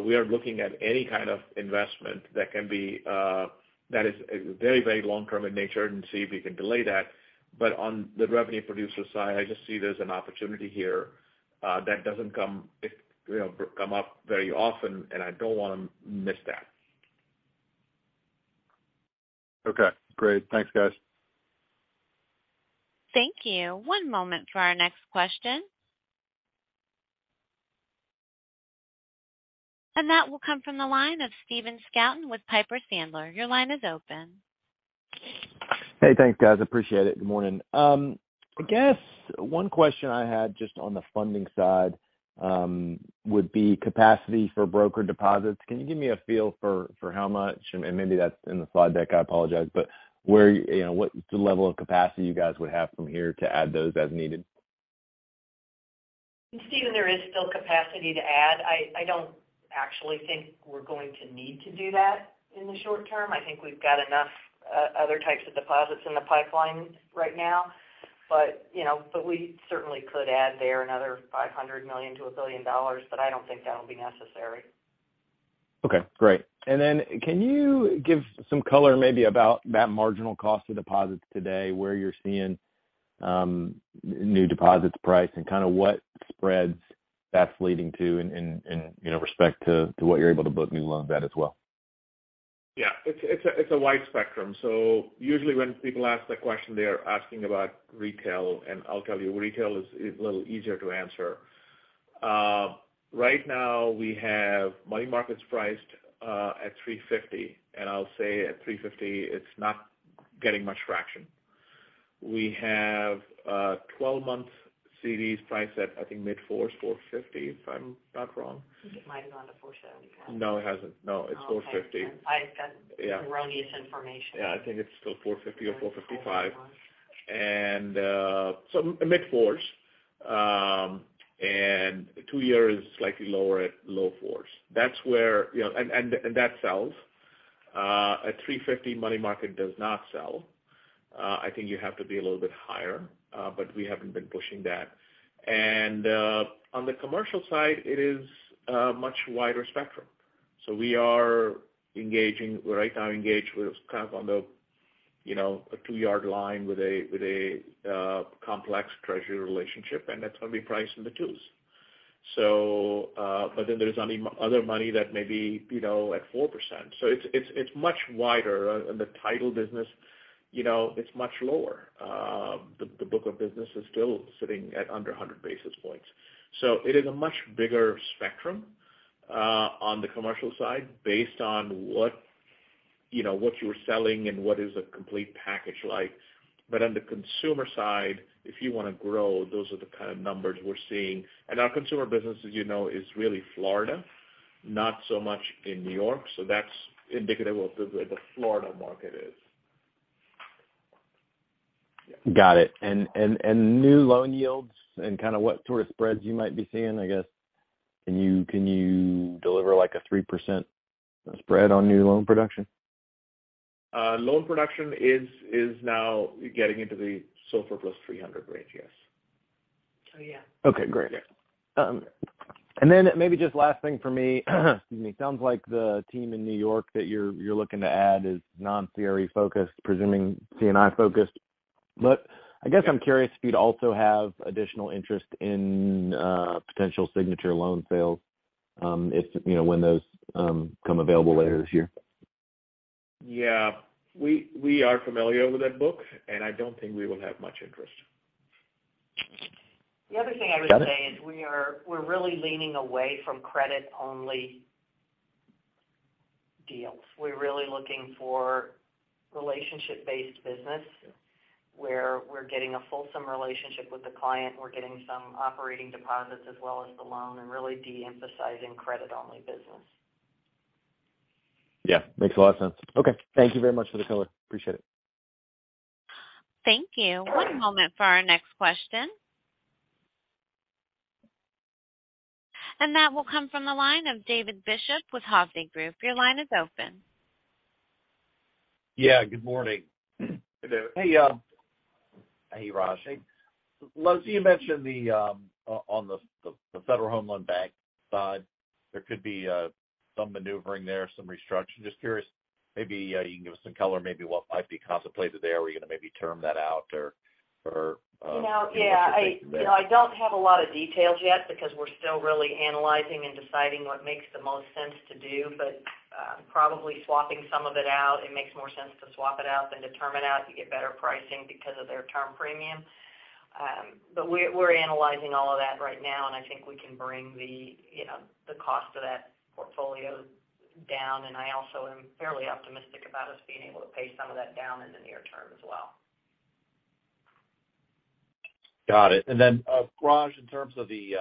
We are looking at any kind of investment that can be, that is very long-term in nature and see if we can delay that. On the revenue producer side, I just see there's an opportunity here, that doesn't come up very often, and I don't wanna miss that. Okay, great. Thanks, guys. Thank you. One moment for our next question. That will come from the line of Stephen Scouten with Piper Sandler. Your line is open. Hey, thanks, guys. Appreciate it. Good morning. I guess one question I had just on the funding side, would be capacity for broker deposits. Can you give me a feel for how much? Maybe that's in the slide deck, I apologize. You know, what's the level of capacity you guys would have from here to add those as needed? Stephen, there is still capacity to add. I don't actually think we're going to need to do that in the short term. I think we've got enough other types of deposits in the pipeline right now. You know, but we certainly could add there another $500 million-$1 billion, but I don't think that'll be necessary. Okay, great. Can you give some color maybe about that marginal cost of deposits today, where you're seeing new deposits price and kind of what spreads that's leading to in, you know, respect to what you're able to book new loans at as well? Yeah. It's a wide spectrum. Usually when people ask that question, they are asking about retail, and I'll tell you, retail is a little easier to answer. Right now we have money markets priced at 3.50%, and I'll say at 3.50% it's not getting much traction. We have 12-month CDs priced at, I think, mid-4s%, 4.50%, if I'm not wrong. I think it might have gone to 4.75. No, it hasn't. No, it's $450. Wrong information. Yeah, I think it's still $450 or $455. Mid-fours. Two-year is slightly lower at low fours. That's where, you know, that sells. A $350 money market does not sell. I think you have to be a little bit higher, we haven't been pushing that. On the commercial side, it is a much wider spectrum. We're right now engaged. We're kind of on the, you know, a two-yard line with a complex treasury relationship, that's gonna be priced in the twos. There's any other money that may be, you know, at 4%. It's much wider. The title business, you know, it's much lower. The book of business is still sitting at under 100 basis points. It is a much bigger spectrum on the commercial side based on what, you know, what you're selling and what is a complete package like. On the consumer side, if you wanna grow, those are the kind of numbers we're seeing. Our consumer business, as you know, is really Florida, not so much in New York. That's indicative of the way the Florida market is. Got it. New loan yields and kinda what sort of spreads you might be seeing, I guess. Can you deliver like a 3% spread on new loan production? Loan production is now getting into the SOFR plus 300 range, yes. Oh, yeah. Okay, great. Maybe just last thing for me. Excuse me. Sounds like the team in New York that you're looking to add is non-CRE focused, presuming C&I focused. I guess I'm curious if you'd also have additional interest in potential Signature loan sales, if, you know, when those come available later this year? Yeah. We are familiar with that book, and I don't think we will have much interest. The other thing I would say is we're really leaning away from credit-only deals. We're really looking for relationship-based business where we're getting a fulsome relationship with the client. We're getting some operating deposits as well as the loan and really de-emphasizing credit-only business. Yeah, makes a lot of sense. Okay. Thank you very much for the color. Appreciate it. Thank you. One moment for our next question. That will come from the line of David Bishop with Hovde Group. Your line is open. Yeah, good morning. Good day. Hey, Raj. Leslie, you mentioned the on the Federal Home Loan Bank side, there could be some maneuvering there, some restructuring. Just curious, maybe you can give us some color, maybe what might be contemplated there? Are we gonna maybe term that out or? You know, yeah, I, you know, I don't have a lot of details yet because we're still really analyzing and deciding what makes the most sense to do. Probably swapping some of it out. It makes more sense to swap it out than to term it out. You get better pricing because of their term premium. We're analyzing all of that right now, and I think we can bring the, you know, the cost of that portfolio down. I also am fairly optimistic about us being able to pay some of that down in the near term as well. Got it. Raj, in terms of the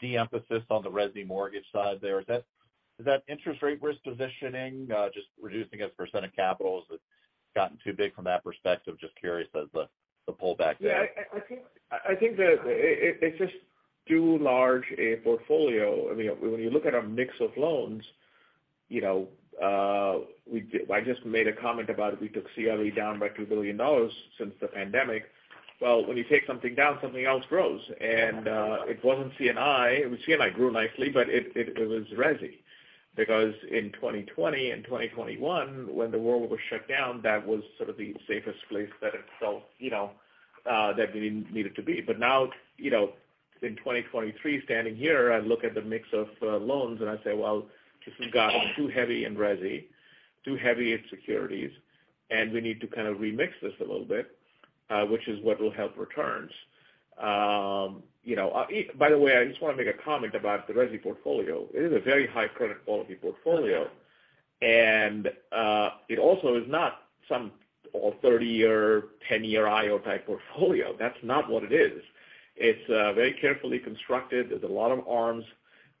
de-emphasis on the Resi mortgage side there, is that interest rate risk positioning just reducing its % of capital? Has it gotten too big from that perspective? Just curious as the pullback there. Yeah. I think that it's just too large a portfolio. I mean, when you look at our mix of loans, you know, I just made a comment about it. We took CRE down by $2 billion since the pandemic. Well, when you take something down, something else grows. It wasn't C&I. I mean, C&I grew nicely, but it was Resi. Because in 2020 and 2021, when the world was shut down, that was sort of the safest place that it felt, you know, that we needed to be. Now, you know, in 2023, standing here, I look at the mix of loans and I say, well, this has gotten too heavy in Resi, too heavy in securities, and we need to kind of remix this a little bit, which is what will help returns. You know, by the way, I just wanna make a comment about the Resi portfolio. It is a very high credit quality portfolio, and it also is not some all 30-year, 10-year IO type portfolio. That's not what it is. It's very carefully constructed. There's a lot of ARMs.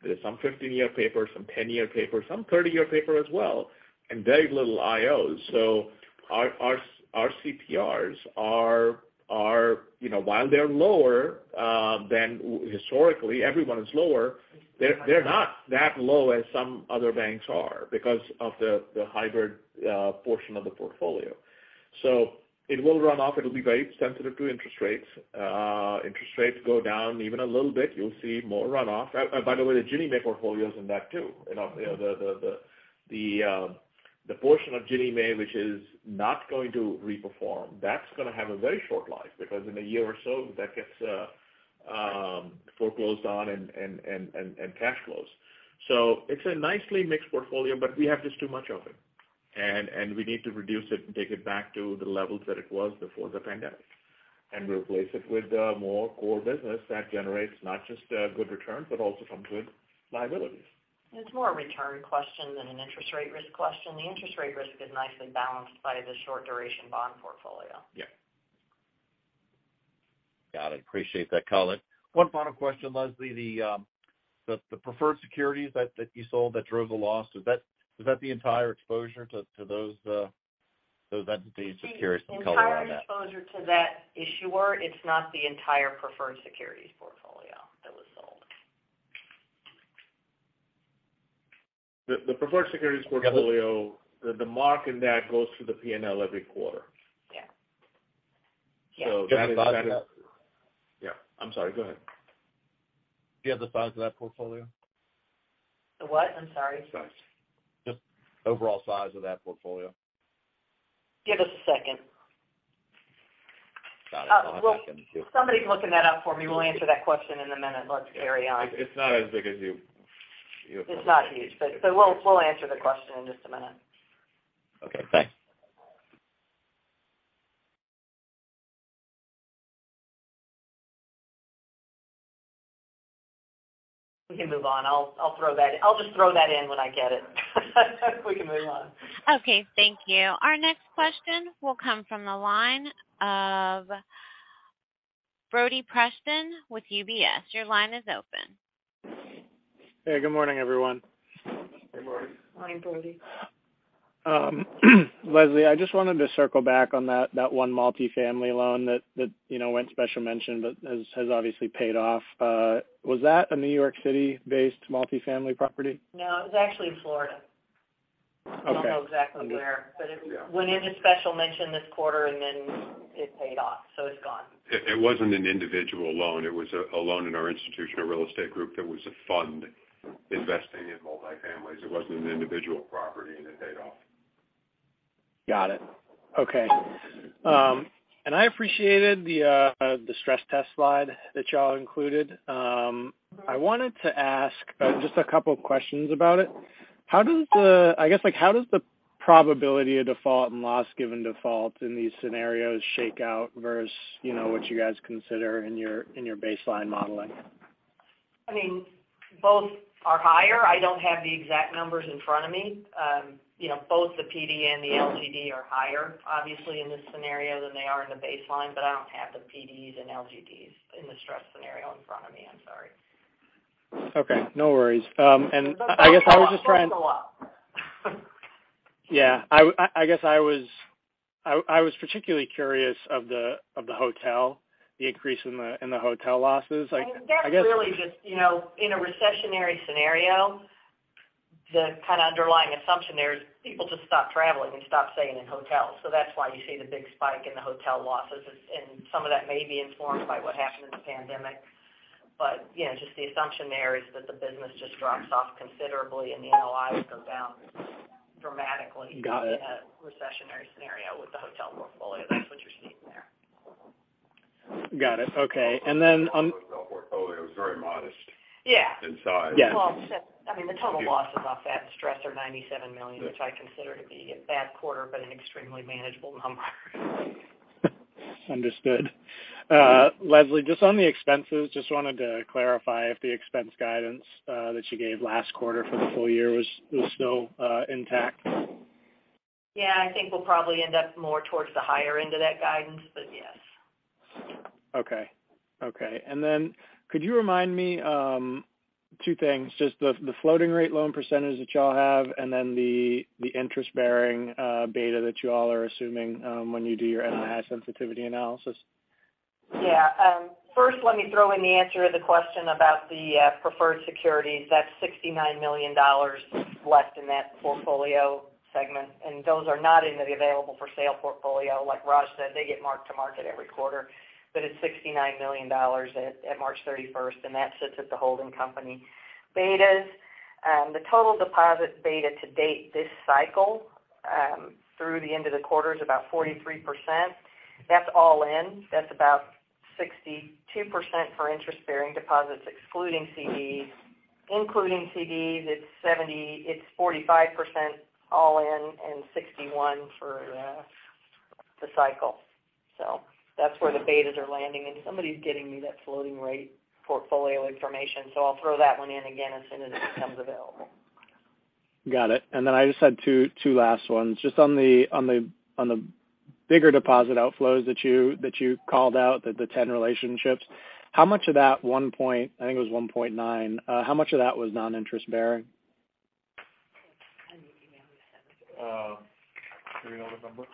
There's some 15-year paper, some 10-year paper, some 30-year paper as well, and very little IOs. Our CPRs are, you know, while they're lower than historically, everyone is lower. They're not that low as some other banks are because of the hybrid portion of the portfolio. It will run off. It'll be very sensitive to interest rates. Interest rates go down even a little bit, you'll see more runoff. By the way, the Ginnie Mae portfolio is in that too. You know, the portion of Ginnie Mae, which is not going to reperform, that's gonna have a very short life because in a year or so that gets foreclosed on and cash flows. It's a nicely mixed portfolio, but we have just too much of it. We need to reduce it and take it back to the levels that it was before the pandemic and replace it with more core business that generates not just good returns, but also some good liabilities. It's more a return question than an interest rate risk question. The interest rate risk is nicely balanced by the short duration bond portfolio. Yeah. Got it. Appreciate that color. One final question, Leslie. The preferred securities that you sold that drove the loss, is that the entire exposure to those entities' securities? Some color on that. The entire exposure to that issuer, it's not the entire preferred securities portfolio that was sold. The preferred securities portfolio, the mark in that goes to the P&L every quarter. Do you have the size of that? Yeah. I'm sorry. Go ahead. Do you have the size of that portfolio? The what? I'm sorry. Sorry. Just overall size of that portfolio. Give us a second. Oh, well, somebody's looking that up for me. We'll answer that question in a minute. Let's carry on. It's not as big as you. It's not huge, but, so we'll answer the question in just a minute. Okay, thanks. We can move on. I'll just throw that in when I get it. We can move on. Okay, thank you. Our next question will come from the line of Brody Preston with UBS. Your line is open. Hey, good morning, everyone. Good morning. Morning, Brody. Leslie, I just wanted to circle back on that one multifamily loan that, you know, went special mention, but has obviously paid off. Was that a New York City-based multifamily property? No, it was actually in Florida. Okay. I don't know exactly where, but it went into special mention this quarter, and then it paid off, so it's gone. It wasn't an individual loan. It was a loan in our institutional real estate group that was a fund investing in multi-families. It wasn't an individual property, and it paid off. Got it. Okay. I appreciated the stress test slide that y'all included. I wanted to ask just a couple questions about it. How does the probability of default and loss given default in these scenarios shake out versus, you know, what you guys consider in your, in your baseline modeling? I mean, both are higher. I don't have the exact numbers in front of me. You know, both the PD and the LGD are higher, obviously, in this scenario than they are in the baseline, but I don't have the PDs and LGDs in the stress scenario in front of me. I'm sorry. Okay. No worries. Both go up. Yeah. I guess I was, I was particularly curious of the hotel, the increase in the hotel losses. Like, I guess. I mean, that's really just, you know, in a recessionary scenario, the kind of underlying assumption there is people just stop traveling and stop staying in hotels. That's why you see the big spike in the hotel losses. And some of that may be informed by what happened in the pandemic. You know, just the assumption there is that the business just drops off considerably and the NOI will go down dramatically. In a recessionary scenario with the hotel portfolio. That's what you're seeing there. Got it. Okay. And then on. The hotel portfolio is very modest. Yeah In size. Well, I mean, the total losses off that stress are $97 million, which I consider to be a bad quarter, but an extremely manageable number. Understood. Leslie, just on the expenses, just wanted to clarify if the expense guidance that you gave last quarter for the full year was still intact? Yeah. I think we'll probably end up more towards the higher end of that guidance, but yes. Okay. Okay. Could you remind me, two things, just the floating rate loan percentage that y'all have and then the interest-bearing beta that you all are assuming when you do your NI sensitivity analysis? First, let me throw in the answer to the question about the preferred securities. That's $69 million left in that portfolio segment, and those are not in the available for sale portfolio. Like Raj said, they get marked to market every quarter. It's $69 million at March 31st, and that sits at the holding company. Betas, the total deposit beta to date this cycle, through the end of the quarter is about 43%. That's all in. That's about 62% for interest-bearing deposits, excluding CDs. Including CDs, it's 45% all in and 61% for the cycle. That's where the betas are landing. Somebody's getting me that floating rate portfolio information, I'll throw that one in again as soon as it becomes available. Got it. I just had two last ones. On the bigger deposit outflows that you called out, the 10 relationships, how much of that $1.9, how much of that was non-interest bearing? Do we know the number?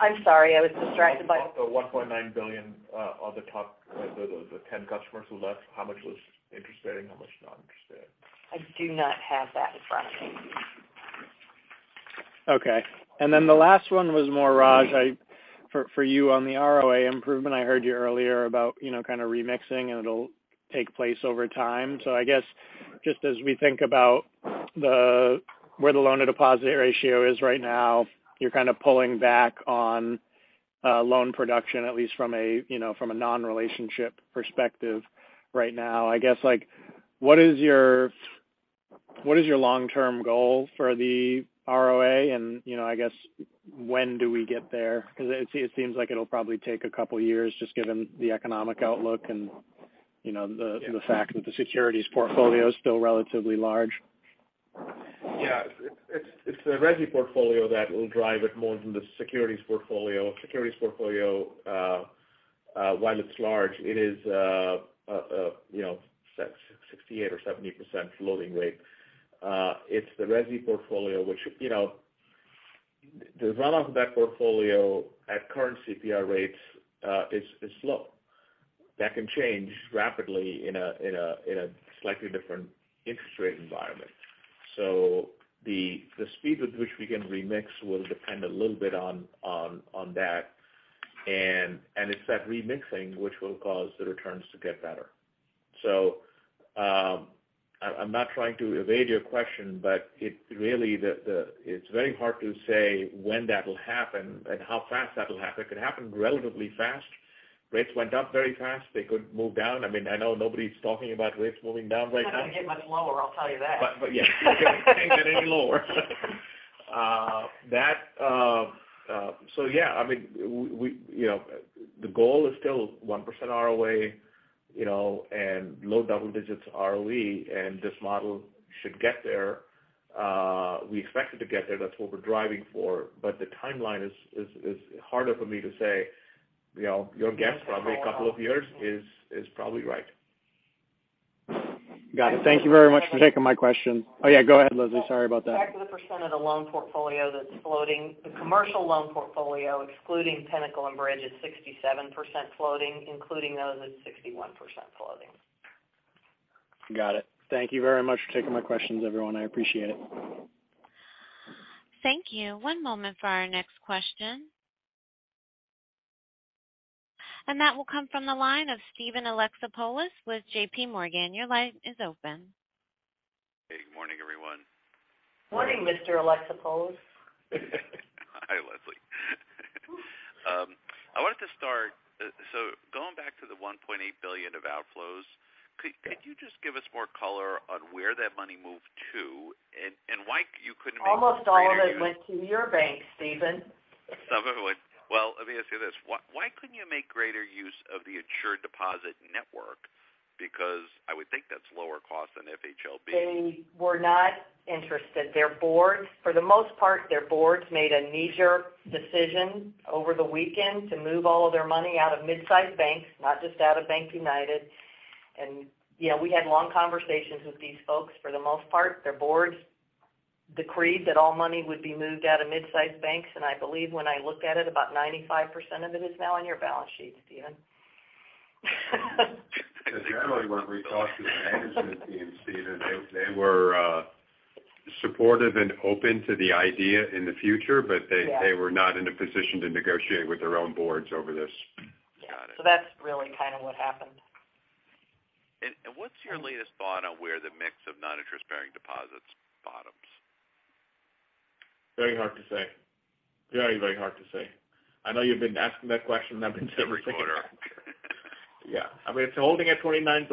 I'm sorry. I was distracted. The $1.9 billion on the top, the 10 customers who left, how much was interest bearing? How much non-interest bearing? I do not have that in front of me. Okay. Then the last one was more, Raj, for you on the ROA improvement. I heard you earlier about, you know, kind of remixing, and it'll take place over time. I guess just as we think about where the loan to deposit ratio is right now, you're kind of pulling back on loan production, at least from a, you know, from a non-relationship perspective right now. I guess, like, what is your long-term goal for the ROA? You know, I guess, when do we get there? It seems like it'll probably take a couple years just given the economic outlook and, you know, the fact that the securities portfolio is still relatively large. Yeah. It's, it's the Resi Portfolio that will drive it more than the securities portfolio. Securities portfolio, while it's large, it is, you know, 68% or 70% floating rate. It's the Resi Portfolio which, you know, the run-off of that portfolio at current CPR rates is slow. That can change rapidly in a slightly different interest rate environment. The speed with which we can remix will depend a little bit on that. It's that remixing which will cause the returns to get better. I'm not trying to evade your question, but it really it's very hard to say when that'll happen and how fast that'll happen. It could happen relatively fast. Rates went up very fast. They could move down. I mean, I know nobody's talking about rates moving down right now. They're not gonna get much lower, I'll tell you that. Yeah. Can't get any lower. Yeah, I mean, you know, the goal is still 1% ROA, you know, and low double digits ROE, and this model should get there. We expect it to get there. That's what we're driving for. The timeline is harder for me to say, you know, your guess probably a couple of years is probably right. Got it. Thank you very much for taking my question. Oh, yeah, go ahead, Leslie. Sorry about that. Back to the percent of the loan portfolio that's floating. The commercial loan portfolio, excluding Pinnacle and Bridge, is 67% floating, including those, it's 61% floating. Got it. Thank you very much for taking my questions, everyone. I appreciate it. Thank you. One moment for our next question. That will come from the line of Steven Alexopoulos with JPMorgan. Your line is open. Hey, good morning, everyone. Morning, Mr. Alexopoulos. Hi, Leslie. I wanted to start, going back to the $1.8 billion of outflows, could you just give us more color on where that money moved to and why you couldn't make greater use. Almost all of it went to your bank, Steven. Well, let me ask you this. Why couldn't you make greater use of the insured deposit network? Because I would think that's lower cost than FHLB. They were not interested. Their boards, for the most part, their boards made a knee-jerk decision over the weekend to move all of their money out of mid-sized banks, not just out of BankUnited. You know, we had long conversations with these folks. For the most part, their boards decreed that all money would be moved out of mid-sized banks. I believe when I look at it, about 95% of it is now on your balance sheet, Steven. Generally when we talk to the management team, Steven, they were supportive and open to the idea in the future, but they were not in a position to negotiate with their own boards over this. Got it. That's really kind of what happened. What's your latest thought on where the mix of non-interest bearing deposits bottoms? Very hard to say. Very hard to say. I know you've been asking that question every quarter. Yeah. I mean, it's holding at 29%.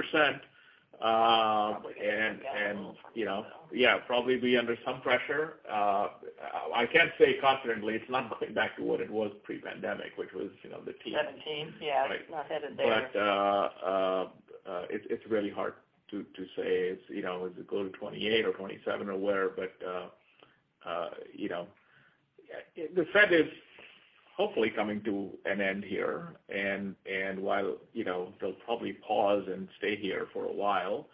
You know, yeah, probably be under some pressure. I can say confidently it's not going back to what it was pre-pandemic, which was, you know, the teens. 17. Yeah. Right. Not headed there. It's really hard to say. It's, you know, does it go to 28 or 27 or where? You know, the Fed is hopefully coming to an end here. While, you know, they'll probably pause and stay here for a while,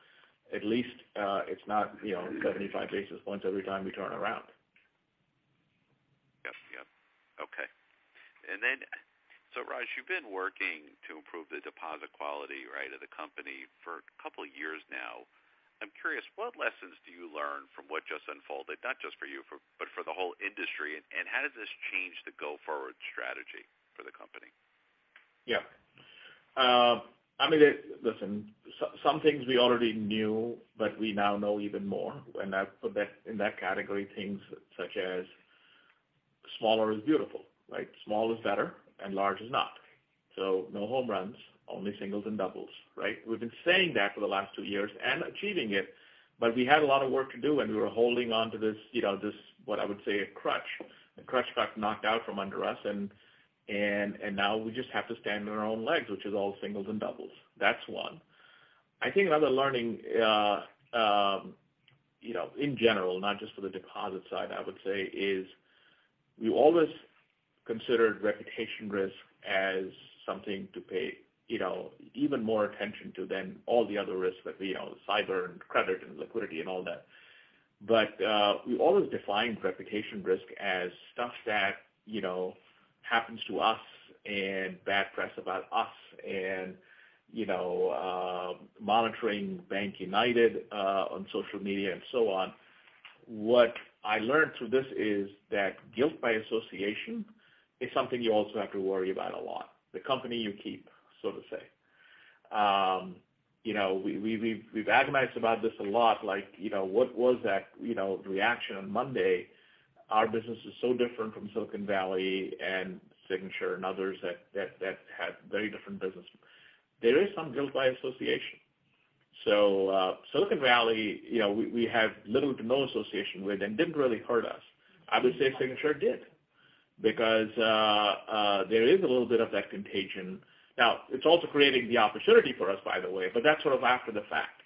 at least, it's not, you know, 75 basis points every time we turn around. Yep. Okay. Raj, you've been working to improve the deposit quality, right? Of the company for a couple of years now. I'm curious, what lessons do you learn from what just unfolded, not just for you but for the whole industry, and how does this change the go-forward strategy for the company? Yeah. I mean, listen, some things we already knew, but we now know even more. I put that in that category, things such as smaller is beautiful, right? Small is better and large is not. No home runs, only singles and doubles, right? We've been saying that for the last two years and achieving it, but we had a lot of work to do. We were holding onto this, you know, this, what I would say, a crutch. The crutch got knocked out from under us and now we just have to stand on our own legs, which is all singles and doubles. That's one. I think another learning, you know, in general, not just for the deposit side, I would say, is we always considered reputation risk as something to pay, you know, even more attention to than all the other risks that, you know, cyber and credit and liquidity and all that. We always defined reputation risk as stuff that, you know, happens to us and bad press about us and, you know, monitoring BankUnited on social media and so on. What I learned through this is that guilt by association is something you also have to worry about a lot, the company you keep, so to say. You know, we've agonized about this a lot, like, you know, what was that, you know, reaction on Monday? Our business is so different from Silicon Valley and Signature and others that have very different business. There is some guilt by association. Silicon Valley, you know, we have little to no association with and didn't really hurt us. I would say Signature did because, there is a little bit of that contagion. It's also creating the opportunity for us, by the way, but that's sort of after the fact.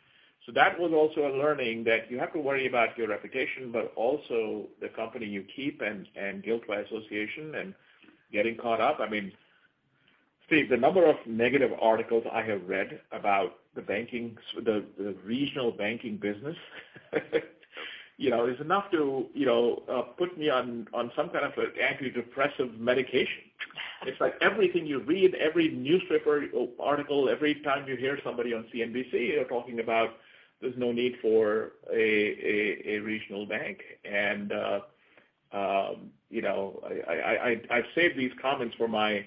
That was also a learning that you have to worry about your reputation, but also the company you keep and guilt by association and getting caught up. I mean, Steve, the number of negative articles I have read about the banking the regional banking business, you know, is enough to, you know, put me on some kind of a antidepressant medication. It's like everything you read, every newspaper article, every time you hear somebody on CNBC, they're talking about there's no need for a regional bank. You know, I've saved these comments for my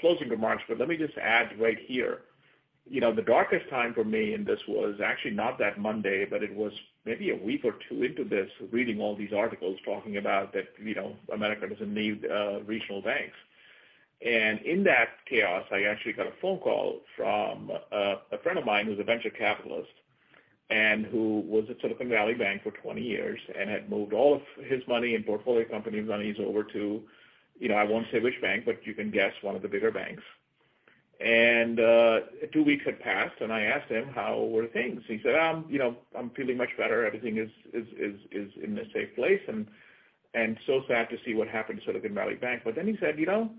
closing remarks, but let me just add right here. You know, the darkest time for me in this was actually not that Monday, but it was maybe a week or two into this, reading all these articles talking about that, you know, America doesn't need regional banks. In that chaos, I actually got a phone call from a friend of mine who's a venture capitalist and who was at Silicon Valley Bank for 20 years and had moved all of his money and portfolio company monies over to, you know, I won't say which bank, but you can guess one of the bigger banks. Two weeks had passed, I asked him, "How were things?" He said, "You know, I'm feeling much better. Everything is in a safe place," so sad to see what happened to Silicon Valley Bank. He said, "You know,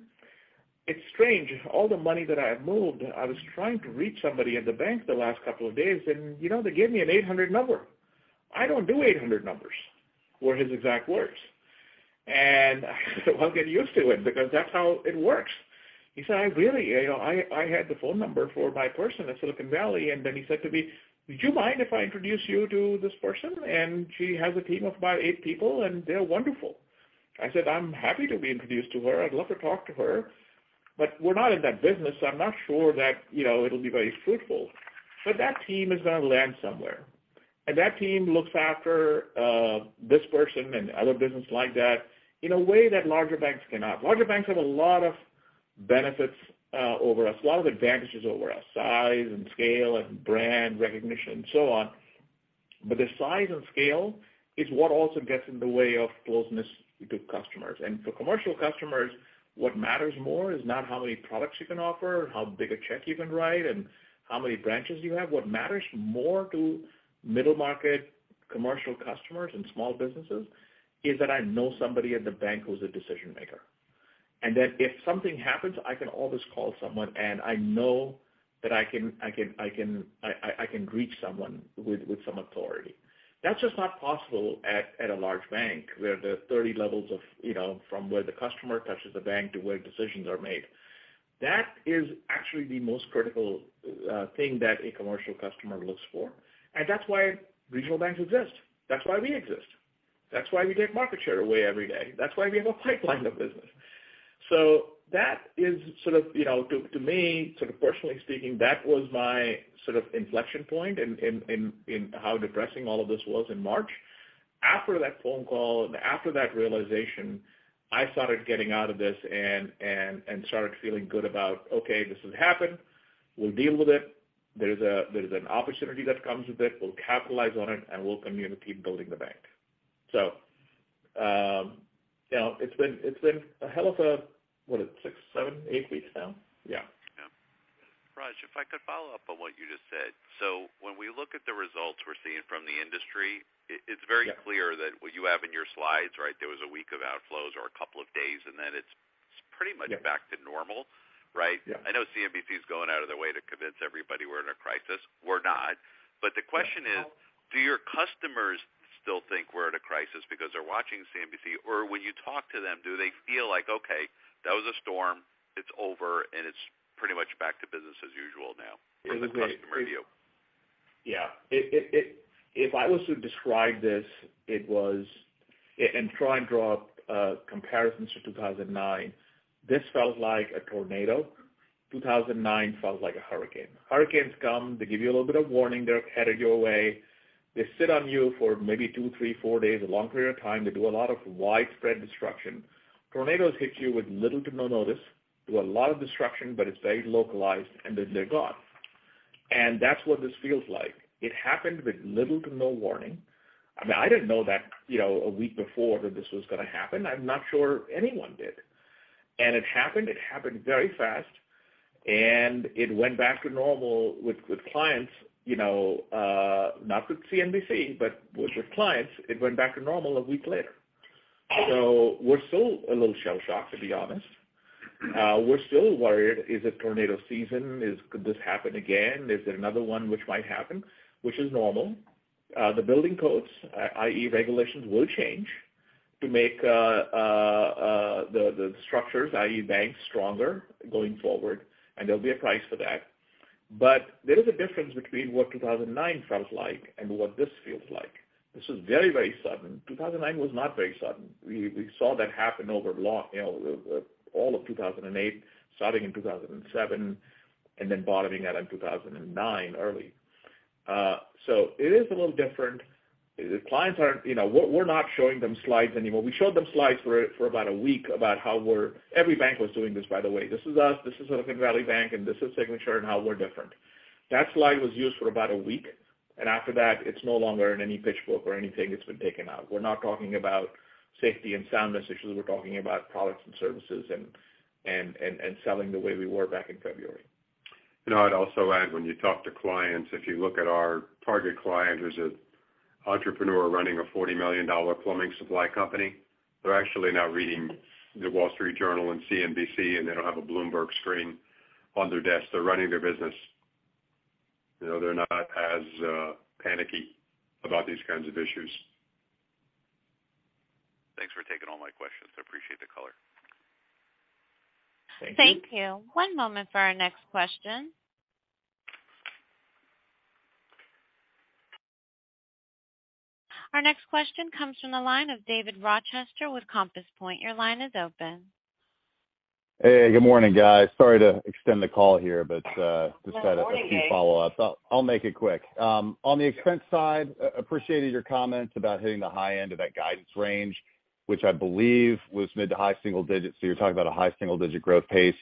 it's strange. All the money that I have moved, I was trying to reach somebody in the bank the last couple of days, and you know, they gave me an 800 number. I don't do 800 numbers," were his exact words. I said, "Well, get used to it because that's how it works." He said, "Really? You know, I had the phone number for my person at Silicon Valley." He said to me, "Would you mind if I introduce you to this person? She has a team of about eight people, and they're wonderful." I said, "I'm happy to be introduced to her. I'd love to talk to her, but we're not in that business. I'm not sure that, you know, it'll be very fruitful." That team is gonna land somewhere. That team looks after this person and other business like that in a way that larger banks cannot. Larger banks have a lot of benefits over us, a lot of advantages over us, size and scale and brand recognition and so on. The size and scale is what also gets in the way of closeness to customers. For commercial customers, what matters more is not how many products you can offer, how big a check you can write, and how many branches you have. What matters more to middle market commercial customers and small businesses is that I know somebody at the bank who's a decision maker, and that if something happens, I can always call someone, and I know that I can reach someone with some authority. That's just not possible at a large bank, where there are 30 levels of, you know, from where the customer touches the bank to where decisions are made. That is actually the most critical thing that a commercial customer looks for, and that's why regional banks exist. That's why we exist. That's why we give market share away every day. That's why we have a pipeline of business. That is sort of, you know, to me, sort of personally speaking, that was my sort of inflection point in how depressing all of this was in March. After that phone call and after that realization, I started getting out of this and started feeling good about, okay, this has happened. We'll deal with it. There's a, there's an opportunity that comes with it. We'll capitalize on it, and we'll continue to keep building the bank. You know, it's been a hell of a, what is it? Six, seven, eight weeks now? Yeah. Yeah. Raj, if I could follow up on what you just said. When we look at the results we're seeing from the industry. It's very clear that what you have in your slides, right, there was a week of outflows or a couple of days, and then it's pretty much back to normal, right? Yeah. I know CNBC is going out of their way to convince everybody we're in a crisis. We're not. The question is, do your customers still think we're in a crisis because they're watching CNBC? When you talk to them, do they feel like, "Okay, that was a storm, it's over, and it's pretty much back to business as usual now," from the customer view? Yeah. If I was to describe this, it was and try and draw comparisons to 2009, this felt like a tornado. 2009 felt like a hurricane. Hurricanes come, they give you a little bit of warning they're headed your way. They sit on you for maybe two, three, four days, a long period of time. They do a lot of widespread destruction. Tornadoes hit you with little to no notice, do a lot of destruction, but it's very localized, and then they're gone. That's what this feels like. It happened with little to no warning. I mean, I didn't know that, you know, a week before that this was gonna happen. I'm not sure anyone did. It happened, it happened very fast, and it went back to normal with clients, you know, not with CNBC, but with the clients, it went back to normal a week later. We're still a little shell-shocked, to be honest. We're still worried, is it tornado season? Could this happen again? Is there another one which might happen? Which is normal. The building codes, i.e., regulations, will change to make the structures, i.e., banks, stronger going forward, and there'll be a price for that. There is a difference between what 2009 felt like and what this feels like. This is very, very sudden. 2009 was not very sudden. We saw that happen over long, you know, all of 2008, starting in 2007, and then bottoming out in 2009 early. It is a little different. The clients aren't, you know. We're not showing them slides anymore. We showed them slides for about a week. Every bank was doing this, by the way. This is us, this is Silicon Valley Bank, and this is Signature and how we're different. That slide was used for about a week. After that, it's no longer in any pitch book or anything. It's been taken out. We're not talking about safety and soundness issues. We're talking about products and services and selling the way we were back in February. You know, I'd also add, when you talk to clients, if you look at our target client, who's an entrepreneur running a $40 million plumbing supply company, they're actually now reading The Wall Street Journal and CNBC. They don't have a Bloomberg screen on their desk. They're running their business. You know, they're not as panicky about these kinds of issues. Thanks for taking all my questions. I appreciate the color. Thank you. Thank you. One moment for our next question. Our next question comes from the line of David Rochester with Compass Point. Your line is open. Hey, good morning, guys. Sorry to extend the call here, just had a few follow-ups. I'll make it quick. On the expense side, appreciated your comments about hitting the high end of that guidance range, which I believe was mid to high single digits. You're talking about a high single digit growth pace.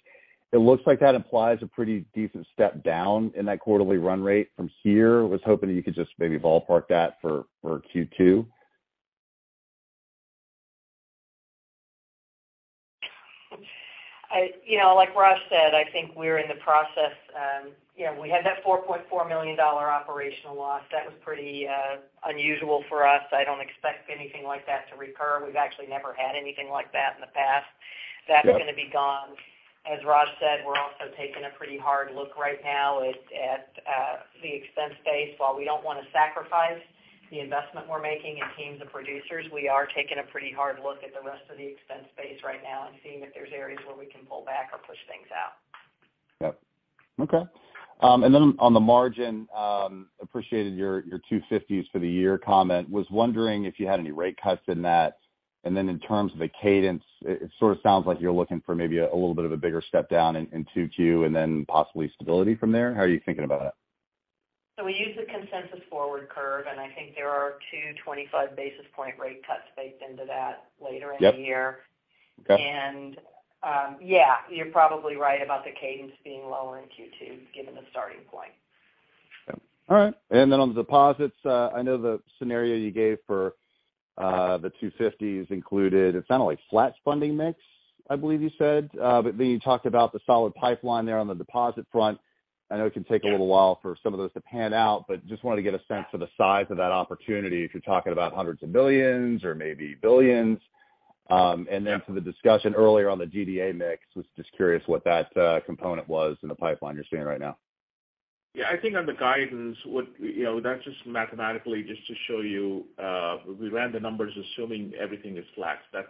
It looks like that implies a pretty decent step down in that quarterly run rate from here. Was hoping you could just maybe ballpark that for Q2. You know, like Raj said, I think we're in the process, you know, we had that $4.4 million operational loss. That was pretty unusual for us. I don't expect anything like that to recur. We've actually never had anything like that in the past. That's gonna be gone. As Raj said, we're also taking a pretty hard look right now at the expense base. While we don't wanna sacrifice the investment we're making in teams of producers, we are taking a pretty hard look at the rest of the expense base right now and seeing if there's areas where we can pull back or push things out. Yep. Okay. On the margin, appreciated your 250s for the year comment. Was wondering if you had any rate cuts in that. In terms of the cadence, it sort of sounds like you're looking for maybe a little bit of a bigger step down in 2Q and then possibly stability from there. How are you thinking about that? We use the consensus forward curve, and I think there are 225 basis point rate cuts baked into that later in the year. Yeah, you're probably right about the cadence being lower in Q2, given the starting point. All right. On the deposits, I know the scenario you gave for the 250s included, it sounded like flat funding mix, I believe you said. You talked about the solid pipeline there on the deposit front. I know it can take a little while for some of those to pan out, but just wanted to get a sense of the size of that opportunity if you're talking about hundreds of millions or maybe billions. For the discussion earlier on the DDA mix, was just curious what that component was in the pipeline you're seeing right now. Yeah. I think on the guidance, you know, that's just mathematically just to show you, we ran the numbers assuming everything is flat. That's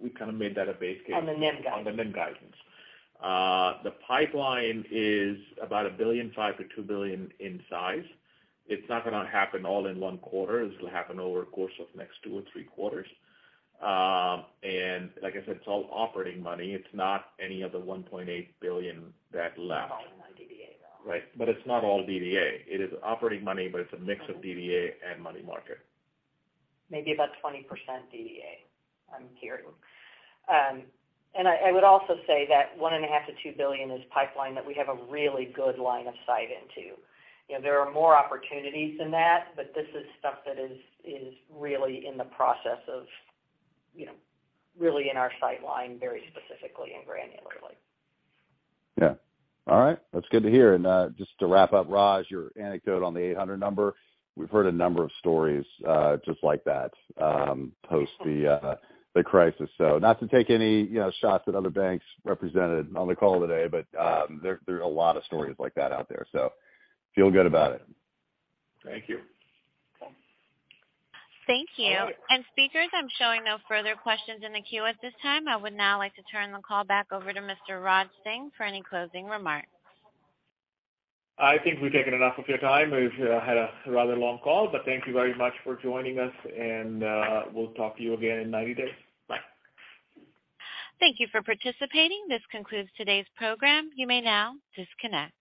we kind of made that a base case. On the NIM guidance. On the NIM guidance. The pipeline is about $1.5 billion-$2 billion in size. It's not gonna happen all in one quarter. This will happen over the course of next two or three quarters. like I said, it's all operating money. It's not any of the $1.8 billion that left. All in one DDA though. Right. It's not all DDA. It is operating money, but it's a mix of DDA and money market. Maybe about 20% DDA, I'm hearing. I would also say that $1.5 billion-$2 billion is pipeline that we have a really good line of sight into. You know, there are more opportunities than that, but this is stuff that is really in the process of, you know, really in our sight line very specifically and granularly. Yeah. All right. That's good to hear. Just to wrap up, Raj, your anecdote on the 800 number, we've heard a number of stories, just like that, post the crisis. Not to take any, you know, shots at other banks represented on the call today, but, there are a lot of stories like that out there, so feel good about it. Thank you. Thank you. Speakers, I'm showing no further questions in the queue at this time. I would now like to turn the call back over to Mr. Raj Singh for any closing remarks. I think we've taken enough of your time. We've had a rather long call, but thank you very much for joining us, and we'll talk to you again in 90 days. Bye. Thank you for participating. This concludes today's program. You may now disconnect.